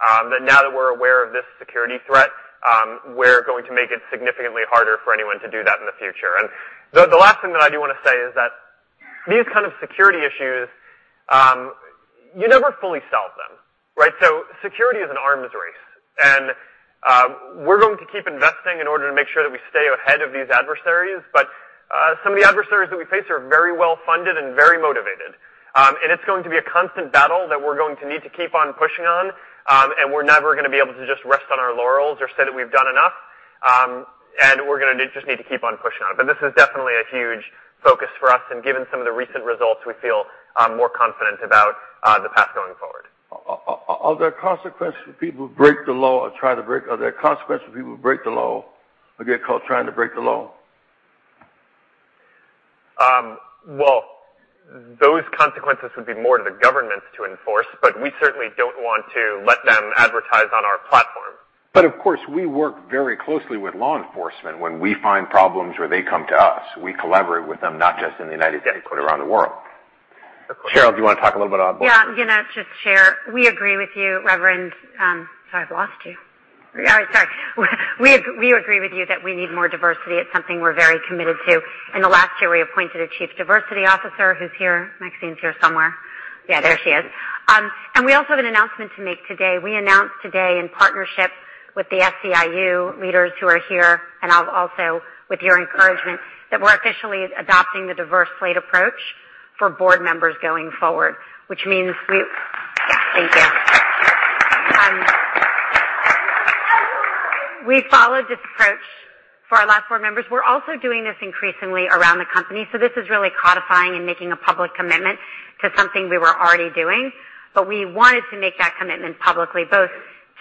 that now that we're aware of this security threat, we're going to make it significantly harder for anyone to do that in the future. The last thing that I do want to say is that these kind of security issues, you never fully solve them, right? Security is an arms race, we're going to keep investing in order to make sure that we stay ahead of these adversaries. Some of the adversaries that we face are very well-funded and very motivated. It's going to be a constant battle that we're going to need to keep on pushing on, we're never going to be able to just rest on our laurels or say that we've done enough. We're going to just need to keep on pushing on it. This is definitely a huge focus for us. Given some of the recent results, we feel more confident about the path going forward. Are there consequences for people who break the law or get caught trying to break the law? Well, those consequences would be more to the governments to enforce. We certainly don't want to let them advertise on our platform. Of course, we work very closely with law enforcement when we find problems or they come to us. We collaborate with them, not just in the U.S., but around the world. Of course. Sheryl, do you want to talk a little bit about. Yeah. Just share. We agree with you, Reverend. Sorry, I've lost you. All right. Sorry. We agree with you that we need more diversity. It's something we're very committed to. In the last year, we appointed a chief diversity officer who's here. Maxine's here somewhere. Yeah, there she is. We also have an announcement to make today. We announced today in partnership with the SEIU leaders who are here, and also with your encouragement, that we're officially adopting the diverse slate approach for board members going forward. Which means. Thank you. We followed this approach for our last board members. We're also doing this increasingly around the company. This is really codifying and making a public commitment to something we were already doing. We wanted to make that commitment publicly, both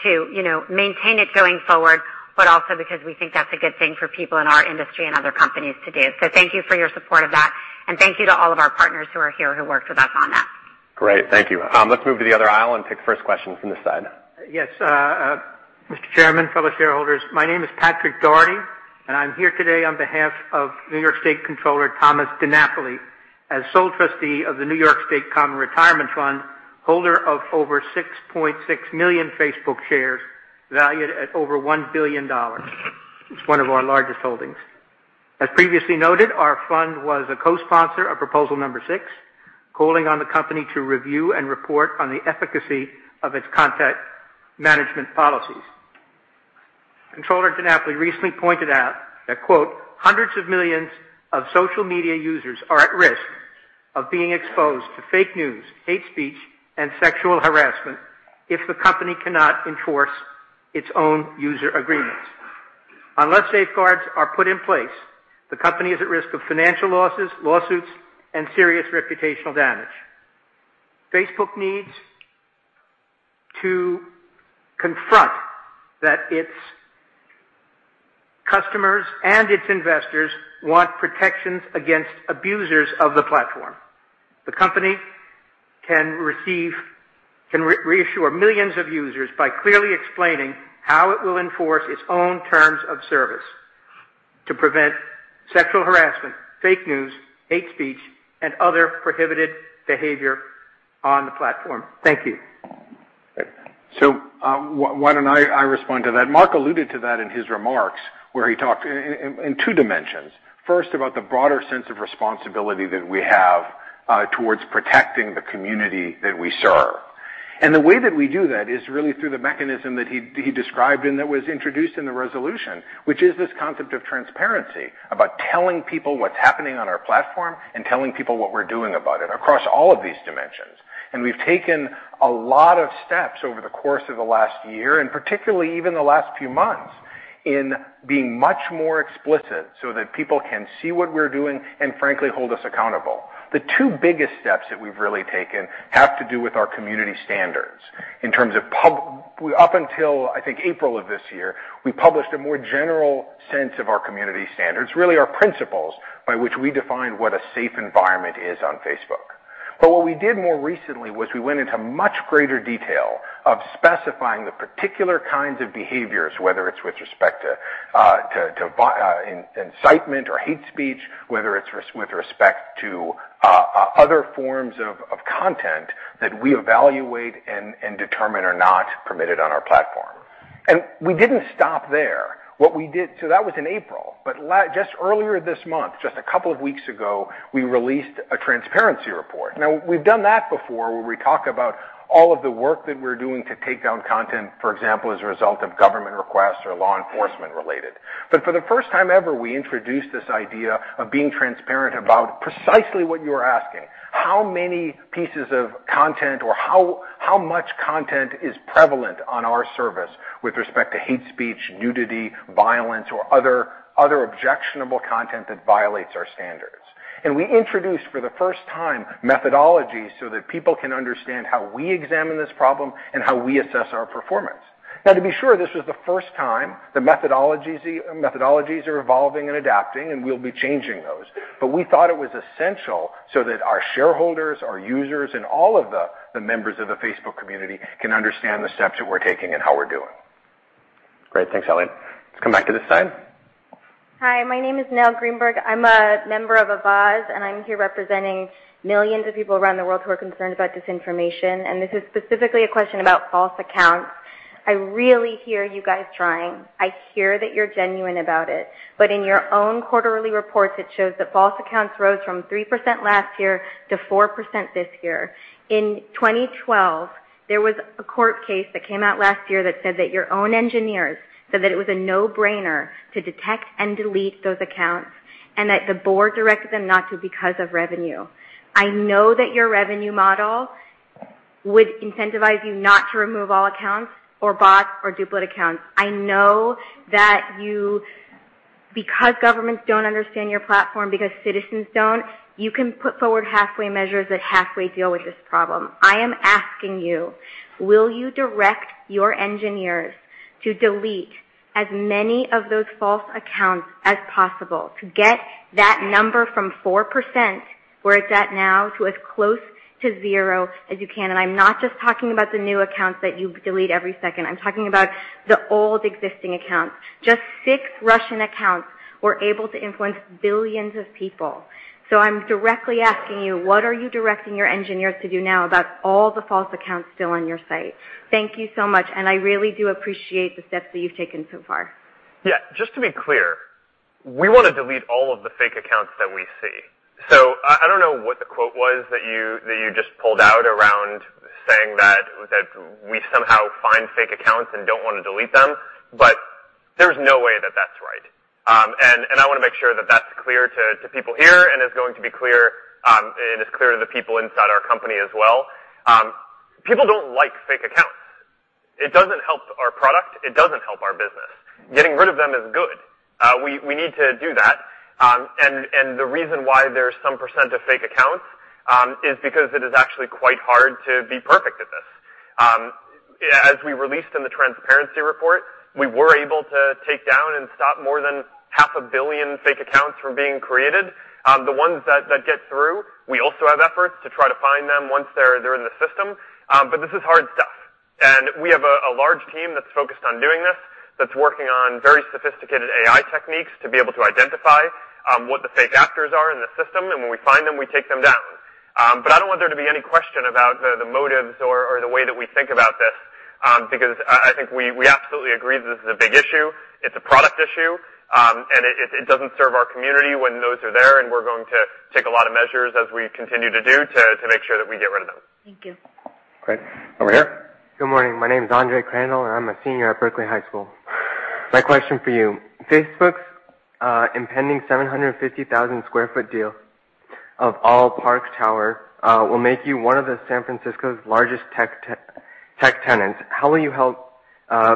to maintain it going forward, but also because we think that's a good thing for people in our industry and other companies to do. Thank you for your support of that, and thank you to all of our partners who are here who worked with us on that. Great. Thank you. Let's move to the other aisle and take the first question from this side. Yes. Mr. Chairman, fellow shareholders, my name is Patrick Doherty, and I'm here today on behalf of New York State Comptroller Thomas DiNapoli. As sole trustee of the New York State Common Retirement Fund, holder of over 6.6 million Facebook shares valued at over $1 billion. It's one of our largest holdings. As previously noted, our fund was a co-sponsor of proposal number six, calling on the company to review and report on the efficacy of its content management policies. Comptroller DiNapoli recently pointed out that, quote, "Hundreds of millions of social media users are at risk of being exposed to fake news, hate speech, and sexual harassment if the company cannot enforce its own user agreements. Unless safeguards are put in place, the company is at risk of financial losses, lawsuits, and serious reputational damage. Facebook needs to confront that its customers and its investors want protections against abusers of the platform. The company can reassure millions of users by clearly explaining how it will enforce its own terms of service to prevent sexual harassment, fake news, hate speech, and other prohibited behavior on the platform." Thank you. Why don't I respond to that? Mark alluded to that in his remarks, where he talked in two dimensions. First, about the broader sense of responsibility that we have towards protecting the community that we serve. The way that we do that is really through the mechanism that he described and that was introduced in the resolution, which is this concept of transparency, about telling people what's happening on our platform and telling people what we're doing about it across all of these dimensions. We've taken a lot of steps over the course of the last year, and particularly even the last few months, in being much more explicit so that people can see what we're doing and frankly hold us accountable. The two biggest steps that we've really taken have to do with our community standards in terms of Up until, I think, April of this year, we published a more general sense of our community standards, really our principles by which we define what a safe environment is on Facebook. What we did more recently was we went into much greater detail of specifying the particular kinds of behaviors, whether it's with respect to incitement or hate speech, whether it's with respect to other forms of content that we evaluate and determine are not permitted on our platform. We didn't stop there. That was in April, just earlier this month, just a couple of weeks ago, we released a transparency report. We've done that before where we talk about all of the work that we're doing to take down content, for example, as a result of government requests or law enforcement related. For the first time ever, we introduced this idea of being transparent about precisely what you are asking. How many pieces of content or how much content is prevalent on our service with respect to hate speech, nudity, violence, or other objectionable content that violates our standards? We introduced, for the first time, methodology so that people can understand how we examine this problem and how we assess our performance. To be sure, this was the first time. The methodologies are evolving and adapting. We'll be changing those. We thought it was essential so that our shareholders, our users, and all of the members of the Facebook community can understand the steps that we're taking and how we're doing. Great. Thanks, Elliot. Let's come back to this side. My name is Nell Greenberg. I'm a member of Avaaz, and I'm here representing millions of people around the world who are concerned about disinformation, and this is specifically a question about false accounts. I really hear you guys trying. I hear that you're genuine about it. In your own quarterly reports, it shows that false accounts rose from 3% last year to 4% this year. In 2012, there was a court case that came out last year that said that your own engineers said that it was a no-brainer to detect and delete those accounts, and that the board directed them not to because of revenue. I know that your revenue model would incentivize you not to remove all accounts or bots or duplicate accounts. I know that because governments don't understand your platform, because citizens don't, you can put forward halfway measures that halfway deal with this problem. I am asking you, will you direct your engineers to delete as many of those false accounts as possible to get that number from 4%, where it's at now, to as close to zero as you can? I'm not just talking about the new accounts that you delete every second. I'm talking about the old existing accounts. Just six Russian accounts were able to influence billions of people. I'm directly asking you, what are you directing your engineers to do now about all the false accounts still on your site? Thank you so much, and I really do appreciate the steps that you've taken so far. Just to be clear, we want to delete all of the fake accounts that we see. I don't know what the quote was that you just pulled out around saying that we somehow find fake accounts and don't want to delete them, there's no way that that's right. I want to make sure that that's clear to people here, and it's clear to the people inside our company as well. People don't like fake accounts. It doesn't help our product. It doesn't help our business. Getting rid of them is good. We need to do that. The reason why there's some % of fake accounts is because it is actually quite hard to be perfect at this. As we released in the transparency report, we were able to take down and stop more than half a billion fake accounts from being created. The ones that get through, we also have efforts to try to find them once they're in the system. This is hard stuff, and we have a large team that's focused on doing this, that's working on very sophisticated AI techniques to be able to identify what the fake actors are in the system, and when we find them, we take them down. I don't want there to be any question about the motives or the way that we think about this, because I think we absolutely agree that this is a big issue. It's a product issue, and it doesn't serve our community when those are there, and we're going to take a lot of measures as we continue to do to make sure that we get rid of them. Thank you. Great. Over here. Good morning. My name is Andre Crandall, and I'm a senior at Berkeley High School. My question for you, Facebook's impending 750,000 square foot deal of Park Tower will make you one of San Francisco's largest tech tenants. How will you help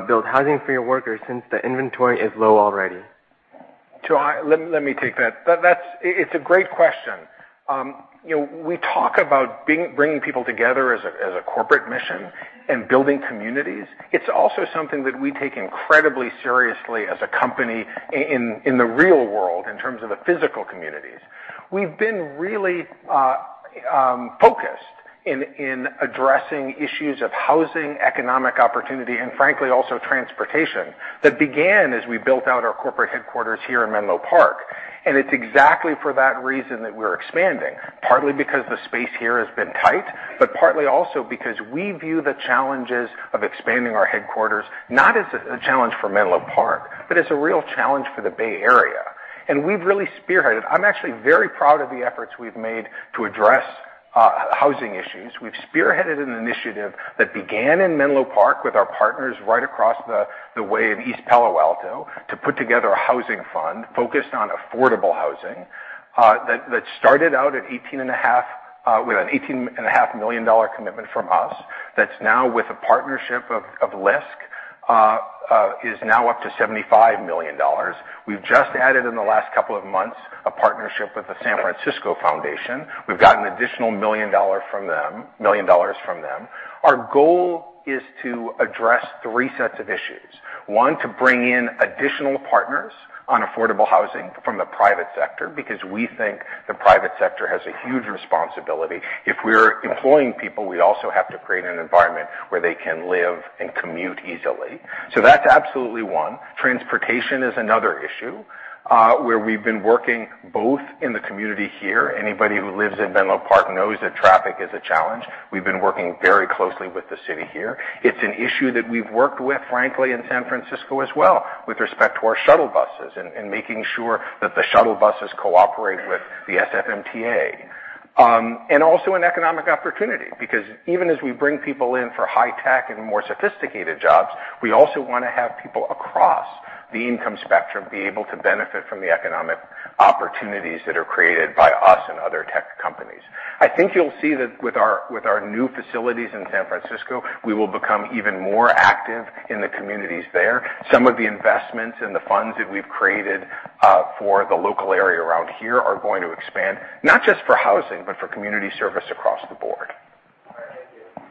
build housing for your workers since the inventory is low already? Let me take that. It's a great question. We talk about bringing people together as a corporate mission and building communities. It's also something that we take incredibly seriously as a company in the real world, in terms of the physical communities. We've been really focused in addressing issues of housing, economic opportunity, and frankly, also transportation, that began as we built out our corporate headquarters here in Menlo Park. It's exactly for that reason that we're expanding. Partly because the space here has been tight, but partly also because we view the challenges of expanding our headquarters, not as a challenge for Menlo Park, but as a real challenge for the Bay Area. We've really spearheaded. I'm actually very proud of the efforts we've made to address housing issues. We've spearheaded an initiative that began in Menlo Park with our partners right across the way in East Palo Alto to put together a housing fund focused on affordable housing, that started out with an $18.5 million commitment from us, that's now with a partnership of LISC is now up to $75 million. We've just added in the last couple of months, a partnership with the San Francisco Foundation. We've got an additional $1 million from them. Our goal is to address three sets of issues. One, to bring in additional partners on affordable housing from the private sector, because we think the private sector has a huge responsibility. If we're employing people, we also have to create an environment where they can live and commute easily. That's absolutely one. Transportation is another issue, where we've been working both in the community here. Anybody who lives in Menlo Park knows that traffic is a challenge. We've been working very closely with the city here. It's an issue that we've worked with, frankly, in San Francisco as well, with respect to our shuttle buses and making sure that the shuttle buses cooperate with the SFMTA. Also an economic opportunity, because even as we bring people in for high tech and more sophisticated jobs, we also want to have people across the income spectrum be able to benefit from the economic opportunities that are created by us and other tech companies. I think you'll see that with our new facilities in San Francisco, we will become even more active in the communities there. Some of the investments and the funds that we've created for the local area around here are going to expand, not just for housing, but for community service across the board. All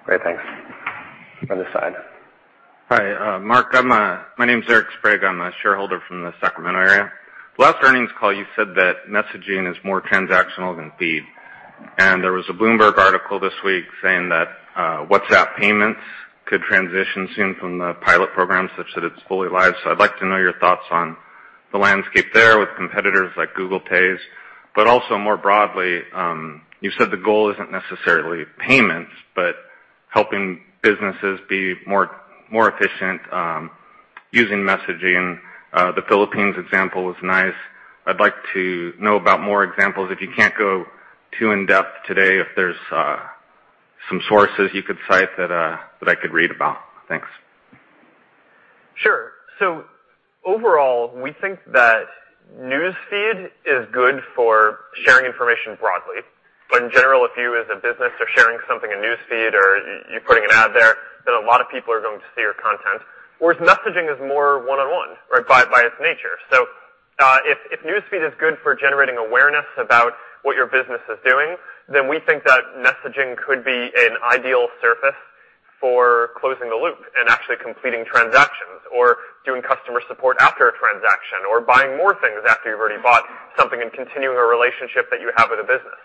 right. Thank you. Great. Thanks. Other side. Hi, Mark. My name's Eric Sprague. I'm a shareholder from the Sacramento area. Last earnings call, you said that messaging is more transactional than feed. There was a Bloomberg article this week saying that WhatsApp payments could transition soon from the pilot program such that it's fully live. I'd like to know your thoughts on the landscape there with competitors like Google Pay. Also more broadly, you said the goal isn't necessarily payments, but helping businesses be more efficient, using messaging. The Philippines example was nice. I'd like to know about more examples. If you can't go too in-depth today, if there's some sources you could cite that I could read about. Thanks. Sure. Overall, we think that News Feed is good for sharing information broadly. In general, if you as a business are sharing something in News Feed or you're putting an ad there, a lot of people are going to see your content. Whereas messaging is more one-on-one by its nature. If News Feed is good for generating awareness about what your business is doing, we think that messaging could be an ideal surface for closing the loop and actually completing transactions or doing customer support after a transaction or buying more things after you've already bought something and continuing a relationship that you have with a business.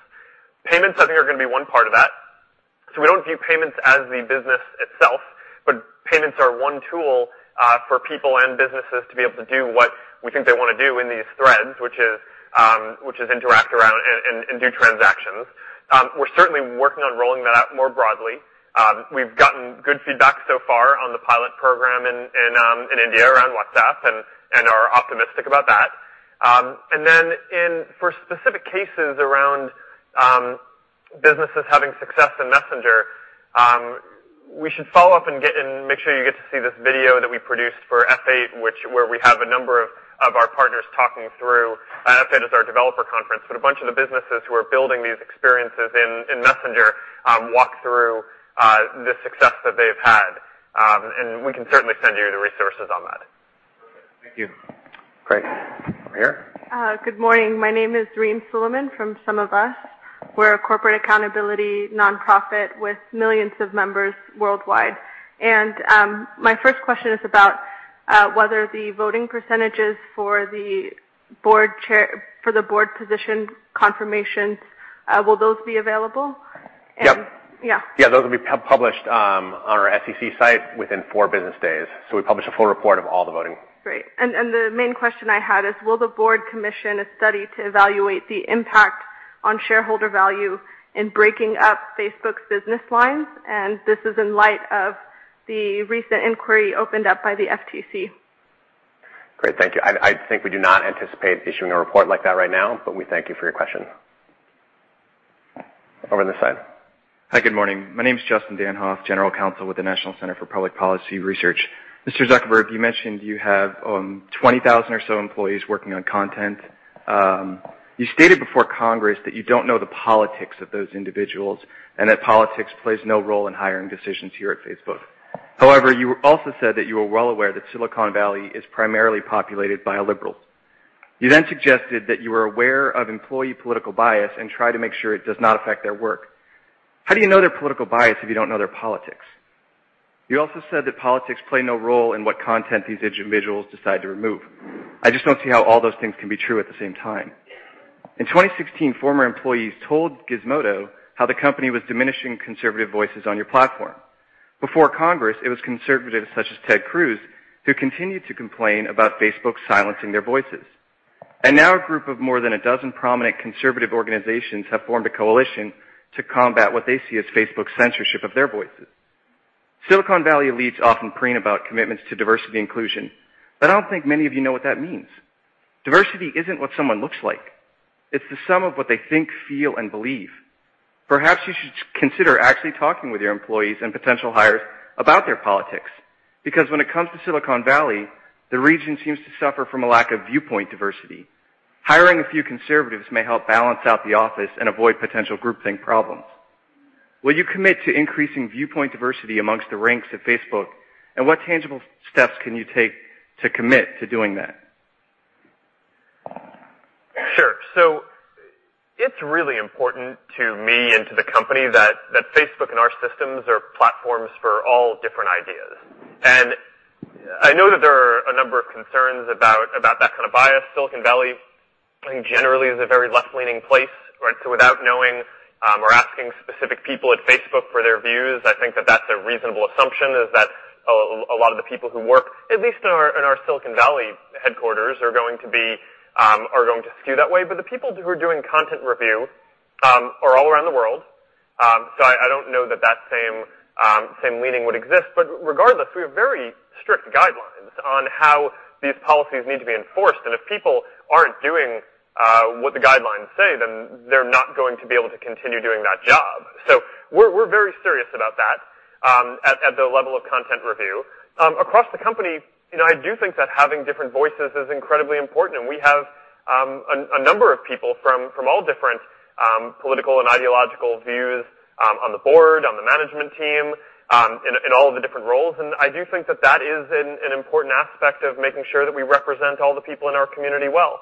Payments, I think, are going to be one part of that. We don't view payments as the business itself, but payments are one tool for people and businesses to be able to do what we think they want to do in these threads, which is interact around and do transactions. We're certainly working on rolling that out more broadly. We've gotten good feedback so far on the pilot program in India around WhatsApp and are optimistic about that. For specific cases around businesses having success in Messenger, we should follow up and make sure you get to see this video that we produced for F8, where we have a number of our partners talking through. F8 is our developer conference, but a bunch of the businesses who are building these experiences in Messenger walk through the success that they have had. We can certainly send you the resources on that. Perfect. Thank you. Great. Over here. Good morning. My name is Reem Suleiman from SumOfUs. We're a corporate accountability nonprofit with millions of members worldwide. My first question is about whether the voting percentages for the board position confirmations, will those be available? Yep. Yeah. Yeah, those will be published on our SEC site within four business days. We publish a full report of all the voting. Great. The main question I had is, will the board commission a study to evaluate the impact on shareholder value in breaking up Facebook's business lines? This is in light of the recent inquiry opened up by the FTC. Great. Thank you. I think we do not anticipate issuing a report like that right now. We thank you for your question. Over on this side. Hi, good morning. My name's Justin Danhof, General Counsel with the National Center for Public Policy Research. Mr. Zuckerberg, you mentioned you have 20,000 or so employees working on content. You stated before Congress that you don't know the politics of those individuals and that politics plays no role in hiring decisions here at Facebook. You also said that you were well aware that Silicon Valley is primarily populated by liberals. You suggested that you were aware of employee political bias and try to make sure it does not affect their work. How do you know their political bias if you don't know their politics? You also said that politics play no role in what content these individuals decide to remove. I just don't see how all those things can be true at the same time. In 2016, former employees told Gizmodo how the company was diminishing conservative voices on your platform. Before Congress, it was conservatives such as Ted Cruz who continued to complain about Facebook silencing their voices. Now a group of more than a dozen prominent conservative organizations have formed a coalition to combat what they see as Facebook censorship of their voices. Silicon Valley elites often preen about commitments to diversity inclusion. I don't think many of you know what that means. Diversity isn't what someone looks like. It's the sum of what they think, feel, and believe. Perhaps you should consider actually talking with your employees and potential hires about their politics, because when it comes to Silicon Valley, the region seems to suffer from a lack of viewpoint diversity. Hiring a few conservatives may help balance out the office and avoid potential groupthink problems. Will you commit to increasing viewpoint diversity amongst the ranks of Facebook? What tangible steps can you take to commit to doing that? Sure. It's really important to me and to the company that Facebook and our systems are platforms for all different ideas. I know that there are a number of concerns about that kind of bias. Silicon Valley generally is a very left-leaning place. Without knowing or asking specific people at Facebook for their views, I think that that's a reasonable assumption, is that a lot of the people who work, at least in our Silicon Valley headquarters, are going to skew that way. The people who are doing content review are all around the world. I don't know that same leaning would exist. Regardless, we have very strict guidelines on how these policies need to be enforced, and if people aren't doing what the guidelines say, then they're not going to be able to continue doing that job. We're very serious about that at the level of content review. Across the company, I do think that having different voices is incredibly important, and we have a number of people from all different political and ideological views on the board, on the management team, in all of the different roles, and I do think that that is an important aspect of making sure that we represent all the people in our community well.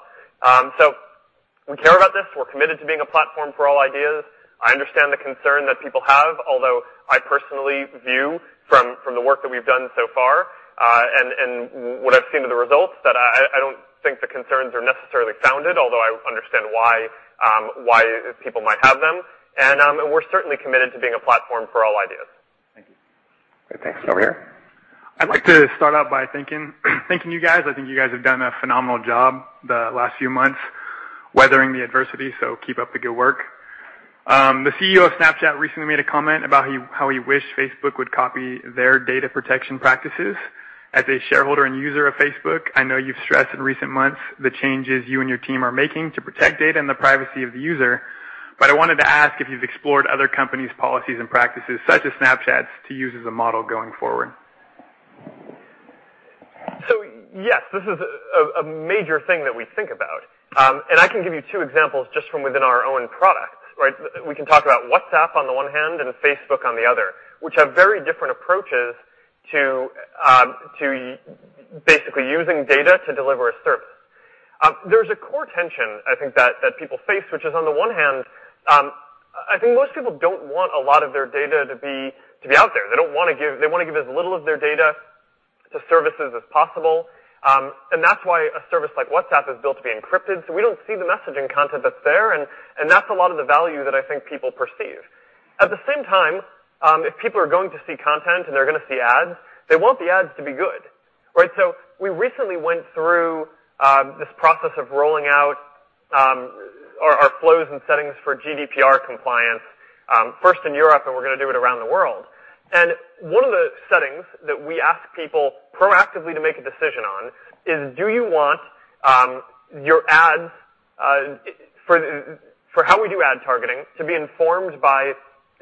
We care about this. We're committed to being a platform for all ideas. I understand the concern that people have, although I personally view from the work that we've done so far, and what I've seen of the results, that I don't think the concerns are necessarily founded, although I understand why people might have them. We're certainly committed to being a platform for all ideas. Thank you. Thanks. Over here. I'd like to start out by thanking you guys. I think you guys have done a phenomenal job the last few months weathering the adversity, so keep up the good work. The CEO of Snapchat recently made a comment about how he wished Facebook would copy their data protection practices. As a shareholder and user of Facebook, I know you've stressed in recent months the changes you and your team are making to protect data and the privacy of the user. I wanted to ask if you've explored other companies' policies and practices, such as Snapchat's, to use as a model going forward. Yes, this is a major thing that we think about. I can give you two examples just from within our own products. We can talk about WhatsApp on the one hand, and Facebook on the other, which have very different approaches to basically using data to deliver a service. There's a core tension I think that people face, which is on the one hand, I think most people don't want a lot of their data to be out there. They want to give as little of their data to services as possible. That's why a service like WhatsApp is built to be encrypted, so we don't see the messaging content that's there, and that's a lot of the value that I think people perceive. At the same time, if people are going to see content and they're going to see ads, they want the ads to be good. We recently went through this process of rolling out our flows and settings for GDPR compliance, first in Europe, and we're going to do it around the world. One of the settings that we ask people proactively to make a decision on is, do you want your ads for how we do ad targeting, to be informed by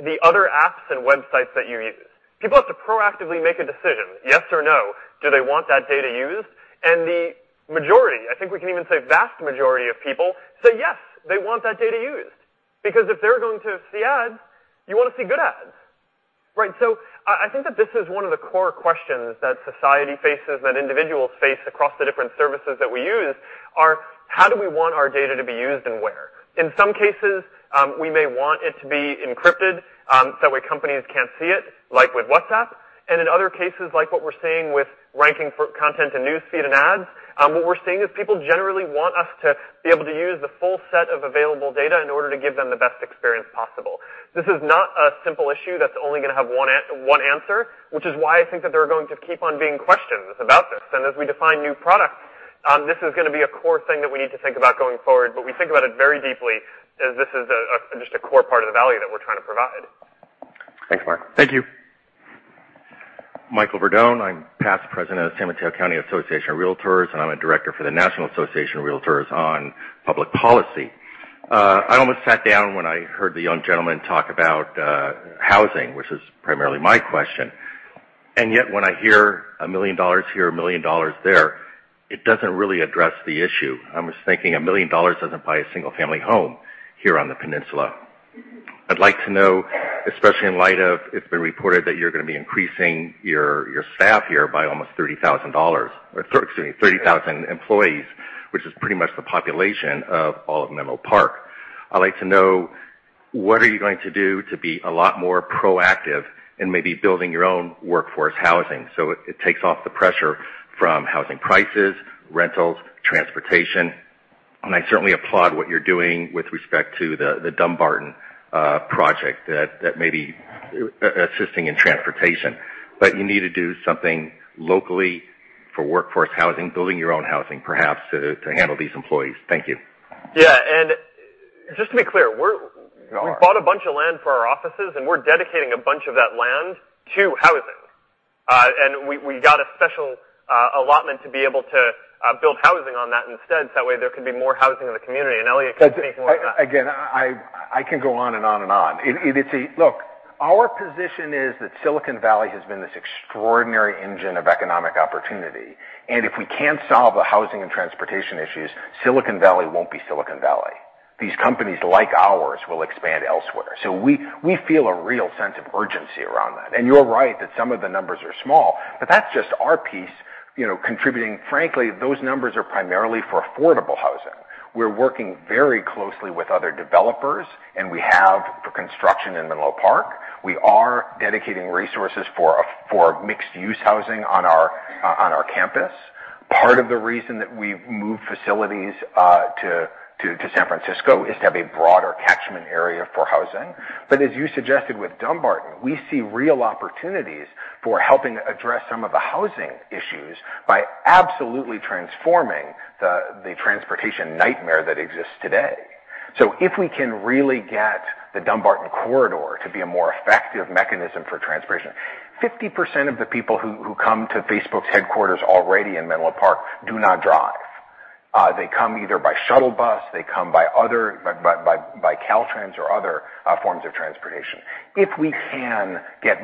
the other apps and websites that you use? People have to proactively make a decision, yes or no, do they want that data used? The majority, I think we can even say vast majority of people, say yes, they want that data used. Because if they're going to see ads, you want to see good ads. I think that this is one of the core questions that society faces, and individuals face across the different services that we use, are how do we want our data to be used and where? In some cases, we may want it to be encrypted, so that way companies can't see it, like with WhatsApp. In other cases, like what we're seeing with ranking for content and News Feed and ads, what we're seeing is people generally want us to be able to use the full set of available data in order to give them the best experience possible. This is not a simple issue that's only going to have one answer, which is why I think that there are going to keep on being questions about this. As we define new products, this is going to be a core thing that we need to think about going forward. We think about it very deeply, as this is just a core part of the value that we're trying to provide. Thanks, Mark. Thank you. Michael Verdone, I'm past president of the San Mateo County Association of Realtors, and I'm a director for the National Association of Realtors on Public Policy. I almost sat down when I heard the young gentleman talk about housing, which is primarily my question. Yet when I hear $1 million here, $1 million there, it doesn't really address the issue. I was thinking $1 million doesn't buy a single-family home here on the peninsula. I'd like to know, especially in light of it's been reported that you're going to be increasing your staff here by almost 30,000 employees, which is pretty much the population of all of Menlo Park. I'd like to know what are you going to do to be a lot more proactive in maybe building your own workforce housing, so it takes off the pressure from housing prices, rentals, transportation. I certainly applaud what you're doing with respect to the Dumbarton project that may be assisting in transportation. You need to do something locally for workforce housing, building your own housing perhaps, to handle these employees. Thank you. Yeah. Just to be clear, we bought a bunch of land for our offices, and we're dedicating a bunch of that land to housing. We got a special allotment to be able to build housing on that instead, so that way there could be more housing in the community. Elliot can speak more on that. Again, I can go on and on and on. Look, our position is that Silicon Valley has been this extraordinary engine of economic opportunity, and if we can't solve the housing and transportation issues, Silicon Valley won't be Silicon Valley. These companies like ours will expand elsewhere. We feel a real sense of urgency around that. You're right that some of the numbers are small, but that's just our piece contributing. Frankly, those numbers are primarily for affordable housing. We're working very closely with other developers, and we have for construction in Menlo Park. We are dedicating resources for mixed-use housing on our campus. Part of the reason that we've moved facilities to San Francisco is to have a broader catchment area for housing. As you suggested with Dumbarton, we see real opportunities for helping address some of the housing issues by absolutely transforming the transportation nightmare that exists today. If we can really get the Dumbarton corridor to be a more effective mechanism for transportation, 50% of the people who come to Facebook's headquarters already in Menlo Park do not drive. They come either by shuttle bus, they come by Caltrain or other forms of transportation. If we can get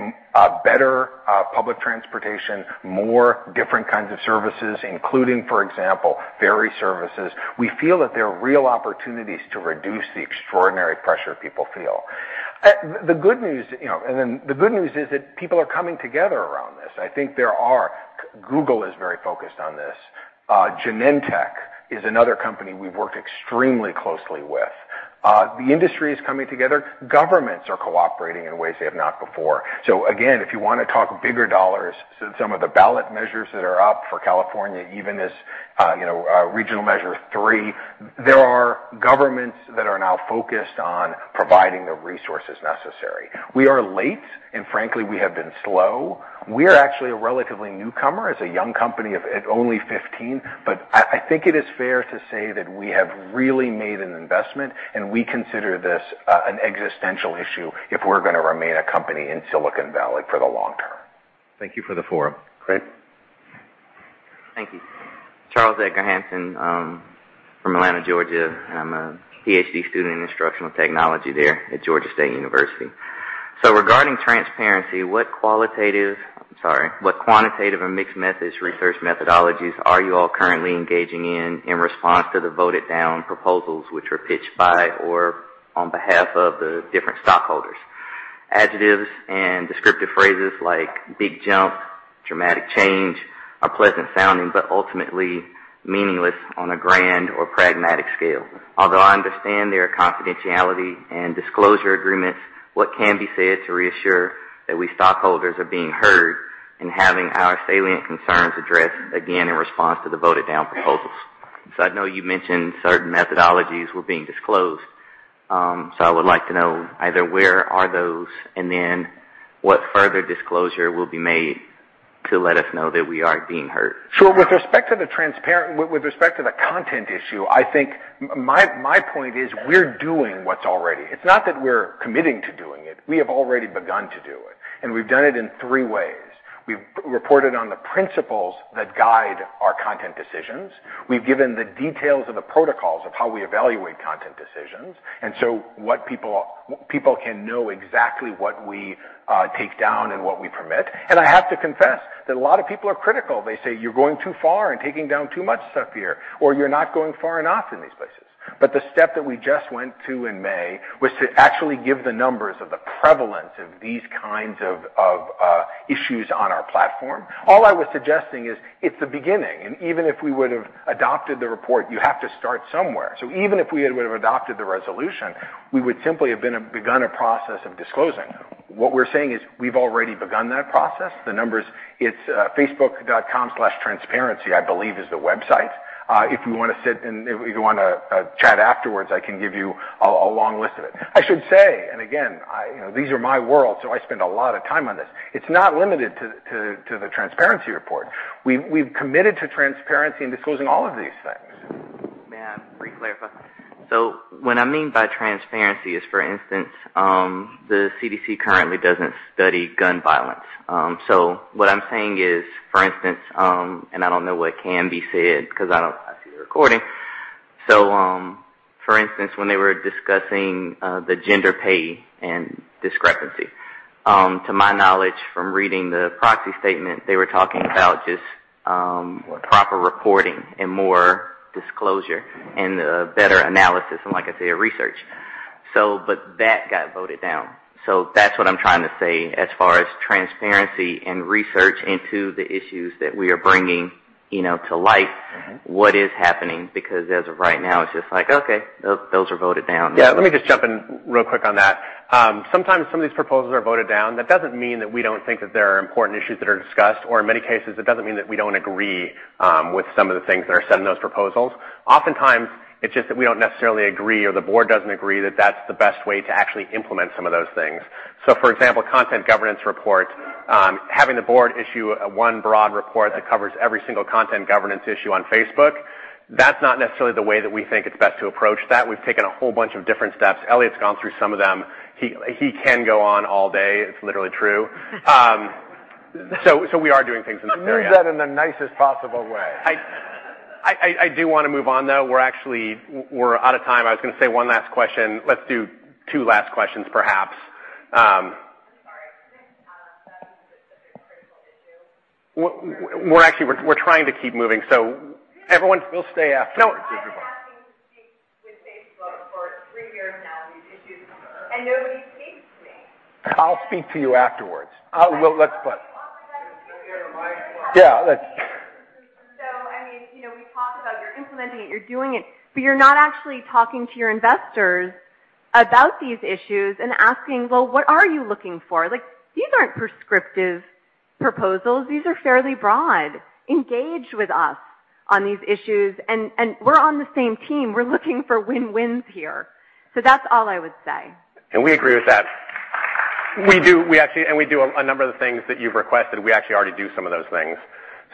better public transportation, more different kinds of services, including, for example, ferry services, we feel that there are real opportunities to reduce the extraordinary pressure people feel. The good news is that people are coming together around this. I think there are. Google is very focused on this. Genentech is another company we've worked extremely closely with. The industry is coming together. Governments are cooperating in ways they have not before. Again, if you want to talk bigger dollars, some of the ballot measures that are up for California, even this Regional Measure 3, there are governments that are now focused on providing the resources necessary. We are late, and frankly, we have been slow. We are actually a relatively newcomer as a young company of only 15, I think it is fair to say that we have really made an investment, and we consider this an existential issue if we're going to remain a company in Silicon Valley for the long term. Thank you for the forum. Craig? Thank you. Charles Edgar Hanson from Atlanta, Georgia, and I'm a PhD student in instructional technology there at Georgia State University. Regarding transparency, what quantitative and mixed methods research methodologies are you all currently engaging in response to the voted-down proposals which were pitched by or on behalf of the different stockholders? Adjectives and descriptive phrases like big jump, dramatic change are pleasant sounding, but ultimately meaningless on a grand or pragmatic scale. Although I understand there are confidentiality and disclosure agreements, what can be said to reassure that we stockholders are being heard and having our salient concerns addressed again in response to the voted-down proposals? I know you mentioned certain methodologies were being disclosed. I would like to know either where are those and then what further disclosure will be made to let us know that we are being heard. With respect to the content issue, I think my point is we're doing what's already. It's not that we're committing to doing it. We have already begun to do it, and we've done it in three ways. We've reported on the principles that guide our content decisions. We've given the details of the protocols of how we evaluate content decisions. People can know exactly what we take down and what we permit. I have to confess that a lot of people are critical. They say, "You're going too far and taking down too much stuff here," or, "You're not going far enough in these places." The step that we just went to in May was to actually give the numbers of the prevalence of these kinds of issues on our platform. All I was suggesting is it's a beginning, and even if we would have adopted the report, you have to start somewhere. Even if we would have adopted the resolution, we would simply have begun a process of disclosing. What we're saying is we've already begun that process. The numbers, it's facebook.com/transparency, I believe is the website. If you want to chat afterwards, I can give you a long list of it. I should say, again, these are my worlds, I spend a lot of time on this. It's not limited to the transparency report. We've committed to transparency and disclosing all of these things. May I briefly clarify? What I mean by transparency is, for instance, the CDC currently doesn't study gun violence. What I'm saying is, for instance, and I don't know what can be said because I see the recording. For instance, when they were discussing the gender pay and discrepancy. To my knowledge from reading the proxy statement, they were talking about just proper reporting and more disclosure and better analysis and like I say, research. That got voted down. That's what I'm trying to say as far as transparency and research into the issues that we are bringing to light what is happening because as of right now, it's just like, okay, those are voted down. Let me just jump in real quick on that. Sometimes some of these proposals are voted down. That doesn't mean that we don't think that there are important issues that are discussed, or in many cases, it doesn't mean that we don't agree with some of the things that are said in those proposals. Oftentimes, it's just that we don't necessarily agree or the board doesn't agree that that's the best way to actually implement some of those things. For example, content governance report, having the board issue one broad report that covers every single content governance issue on Facebook, that's not necessarily the way that we think it's best to approach that. We've taken a whole bunch of different steps. Elliot's gone through some of them. He can go on all day. It's literally true. We are doing things in this area. You mean that in the nicest possible way. I do want to move on, though. We're out of time. I was going to say one last question. Let's do two last questions, perhaps. Well, actually, we're trying to keep moving, everyone will stay after. No. I've been asking to speak with Facebook for three years now on these issues, nobody speaks to me. I'll speak to you afterwards. Well, yeah, let's We talk about you're implementing it, you're doing it, but you're not actually talking to your investors about these issues and asking, well, what are you looking for? These aren't prescriptive proposals. These are fairly broad. Engage with us on these issues. We're on the same team. We're looking for win-wins here. That's all I would say. We agree with that. We do a number of the things that you've requested. We actually already do some of those things.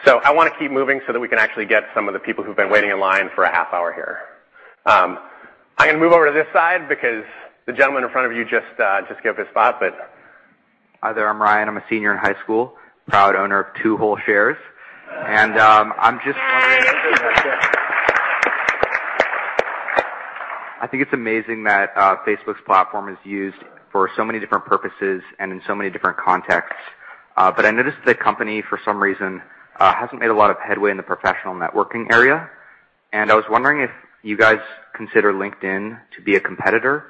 I want to keep moving so that we can actually get some of the people who've been waiting in line for a half hour here. I'm going to move over to this side because the gentleman in front of you just gave up his spot. Hi there. I'm Ryan. I'm a senior in high school, proud owner of two whole shares. Yay. I think it's amazing that Facebook's platform is used for so many different purposes and in so many different contexts. I noticed the company, for some reason, hasn't made a lot of headway in the professional networking area, and I was wondering if you guys consider LinkedIn to be a competitor,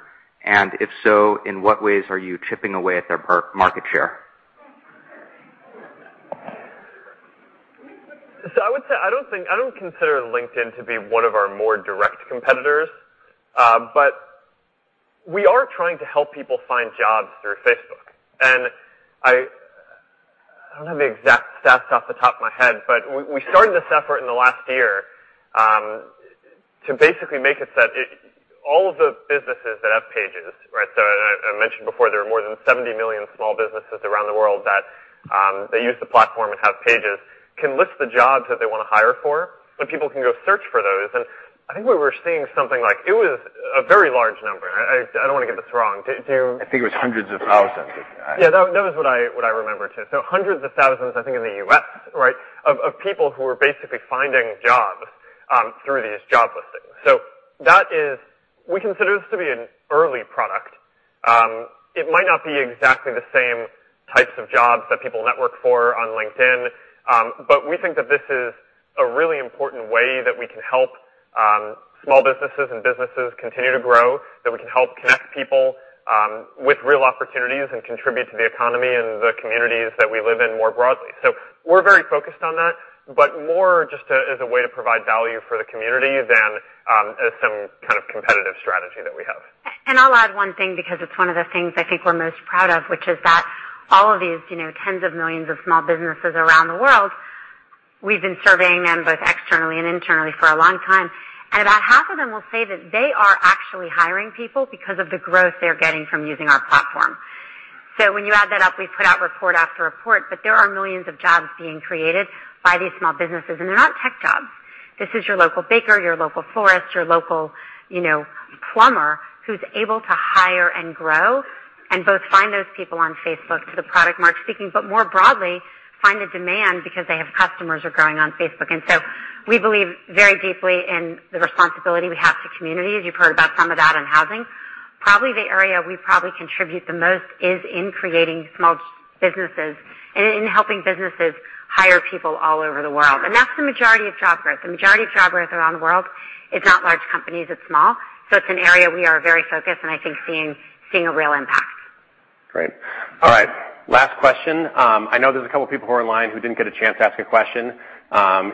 and if so, in what ways are you chipping away at their market share? I would say, I don't consider LinkedIn to be one of our more direct competitors, but we are trying to help people find jobs through Facebook. I don't have the exact stats off the top of my head, but we started this effort in the last year to basically make it so that all of the businesses that have pages, right, I mentioned before, there are more than 70 million small businesses around the world that use the platform and have pages, can list the jobs that they want to hire for, and people can go search for those. I think we were seeing something like, it was a very large number. I don't want to get this wrong. Do you- I think it was hundreds of thousands. Yeah, that was what I remember, too. Hundreds of thousands, I think in the U.S., right, of people who are basically finding jobs through these job listings. We consider this to be an early product. It might not be exactly the same types of jobs that people network for on LinkedIn, but we think that this is a really important way that we can help small businesses and businesses continue to grow, that we can help connect people with real opportunities and contribute to the economy and the communities that we live in more broadly. We're very focused on that, but more just as a way to provide value for the community than as some kind of competitive strategy that we have. I'll add one thing because it's one of the things I think we're most proud of, which is that all of these tens of millions of small businesses around the world, we've been surveying them both externally and internally for a long time. About half of them will say that they are actually hiring people because of the growth they're getting from using our platform. When you add that up, we put out report after report, there are millions of jobs being created by these small businesses, and they're not tech jobs. This is your local baker, your local florist, your local plumber, who's able to hire and grow and both find those people on Facebook to the product Mark's speaking, more broadly, find the demand because they have customers are growing on Facebook. We believe very deeply in the responsibility we have to communities. You've heard about some of that in housing. Probably the area we probably contribute the most is in creating small businesses and in helping businesses hire people all over the world. That's the majority of job growth. The majority of job growth around the world, it's not large companies, it's small. It's an area we are very focused and I think seeing a real impact. Great. All right. Last question. I know there's a couple people who are in line who didn't get a chance to ask a question.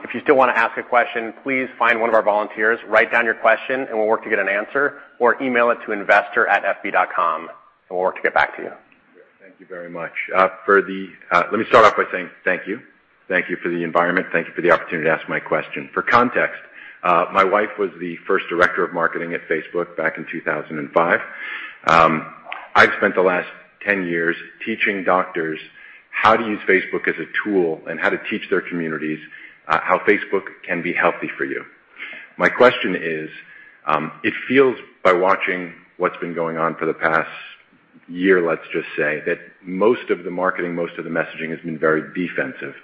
If you still want to ask a question, please find one of our volunteers, write down your question, and we'll work to get an answer, or email it to investor@fb.com and we'll work to get back to you. Thank you very much. Let me start off by saying thank you. Thank you for the environment. Thank you for the opportunity to ask my question. For context, my wife was the first director of marketing at Facebook back in 2005. I've spent the last 10 years teaching doctors how to use Facebook as a tool and how to teach their communities how Facebook can be healthy for you. My question is, it feels by watching what's been going on for the past year, let's just say, that most of the marketing, most of the messaging has been very defensive.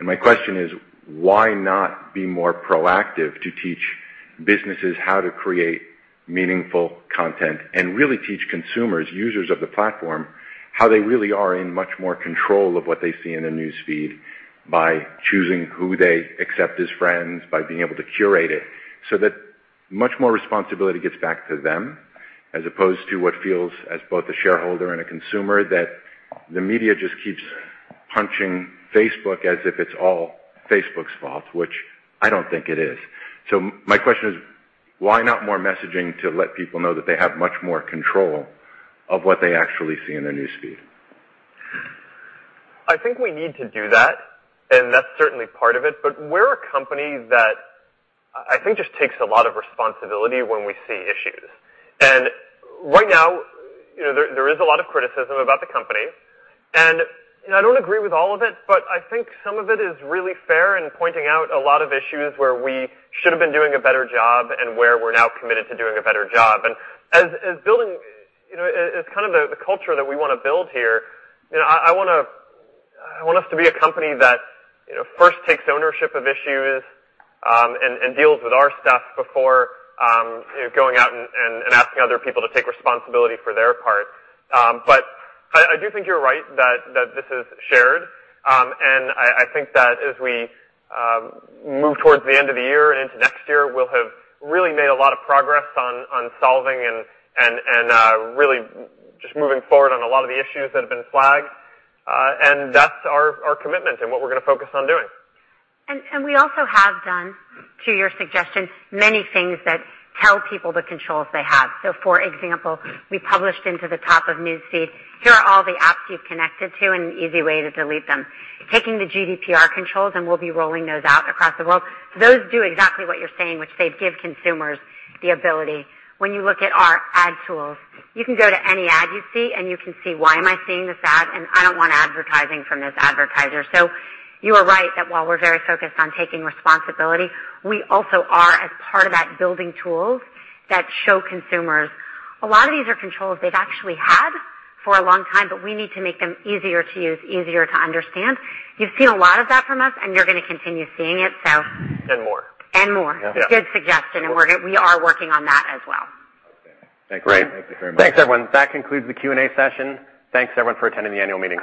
My question is, why not be more proactive to teach businesses how to create meaningful content and really teach consumers, users of the platform, how they really are in much more control of what they see in the news feed by choosing who they accept as friends, by being able to curate it, so that much more responsibility gets back to them, as opposed to what feels as both a shareholder and a consumer, that the media just keeps punching Facebook as if it's all Facebook's fault, which I don't think it is. My question is, why not more messaging to let people know that they have much more control of what they actually see in their news feed? I think we need to do that. That's certainly part of it, but we're a company that I think just takes a lot of responsibility when we see issues. Right now, there is a lot of criticism about the company, and I don't agree with all of it, but I think some of it is really fair in pointing out a lot of issues where we should have been doing a better job and where we're now committed to doing a better job. As building, as kind of the culture that we want to build here, I want us to be a company that first takes ownership of issues, and deals with our stuff before going out and asking other people to take responsibility for their part. I do think you're right that this is shared. I think that as we move towards the end of the year and into next year, we'll have really made a lot of progress on solving and really just moving forward on a lot of the issues that have been flagged. That's our commitment and what we're going to focus on doing. We also have done, to your suggestion, many things that tell people the controls they have. For example, we published into the top of news feed, here are all the apps you've connected to and an easy way to delete them. Taking the GDPR controls, we'll be rolling those out across the world. Those do exactly what you're saying, which they give consumers the ability. When you look at our ad tools, you can go to any ad you see, and you can see, why am I seeing this ad, and I don't want advertising from this advertiser. You are right that while we're very focused on taking responsibility, we also are, as part of that, building tools that show consumers. A lot of these are controls they've actually had for a long time, but we need to make them easier to use, easier to understand. You've seen a lot of that from us, and you're going to continue seeing it. More. More. Yeah. It's a good suggestion, and we are working on that as well. Okay. Thank you. Great. Thank you very much. Thanks, everyone. That concludes the Q&A session. Thanks, everyone, for attending the annual meeting.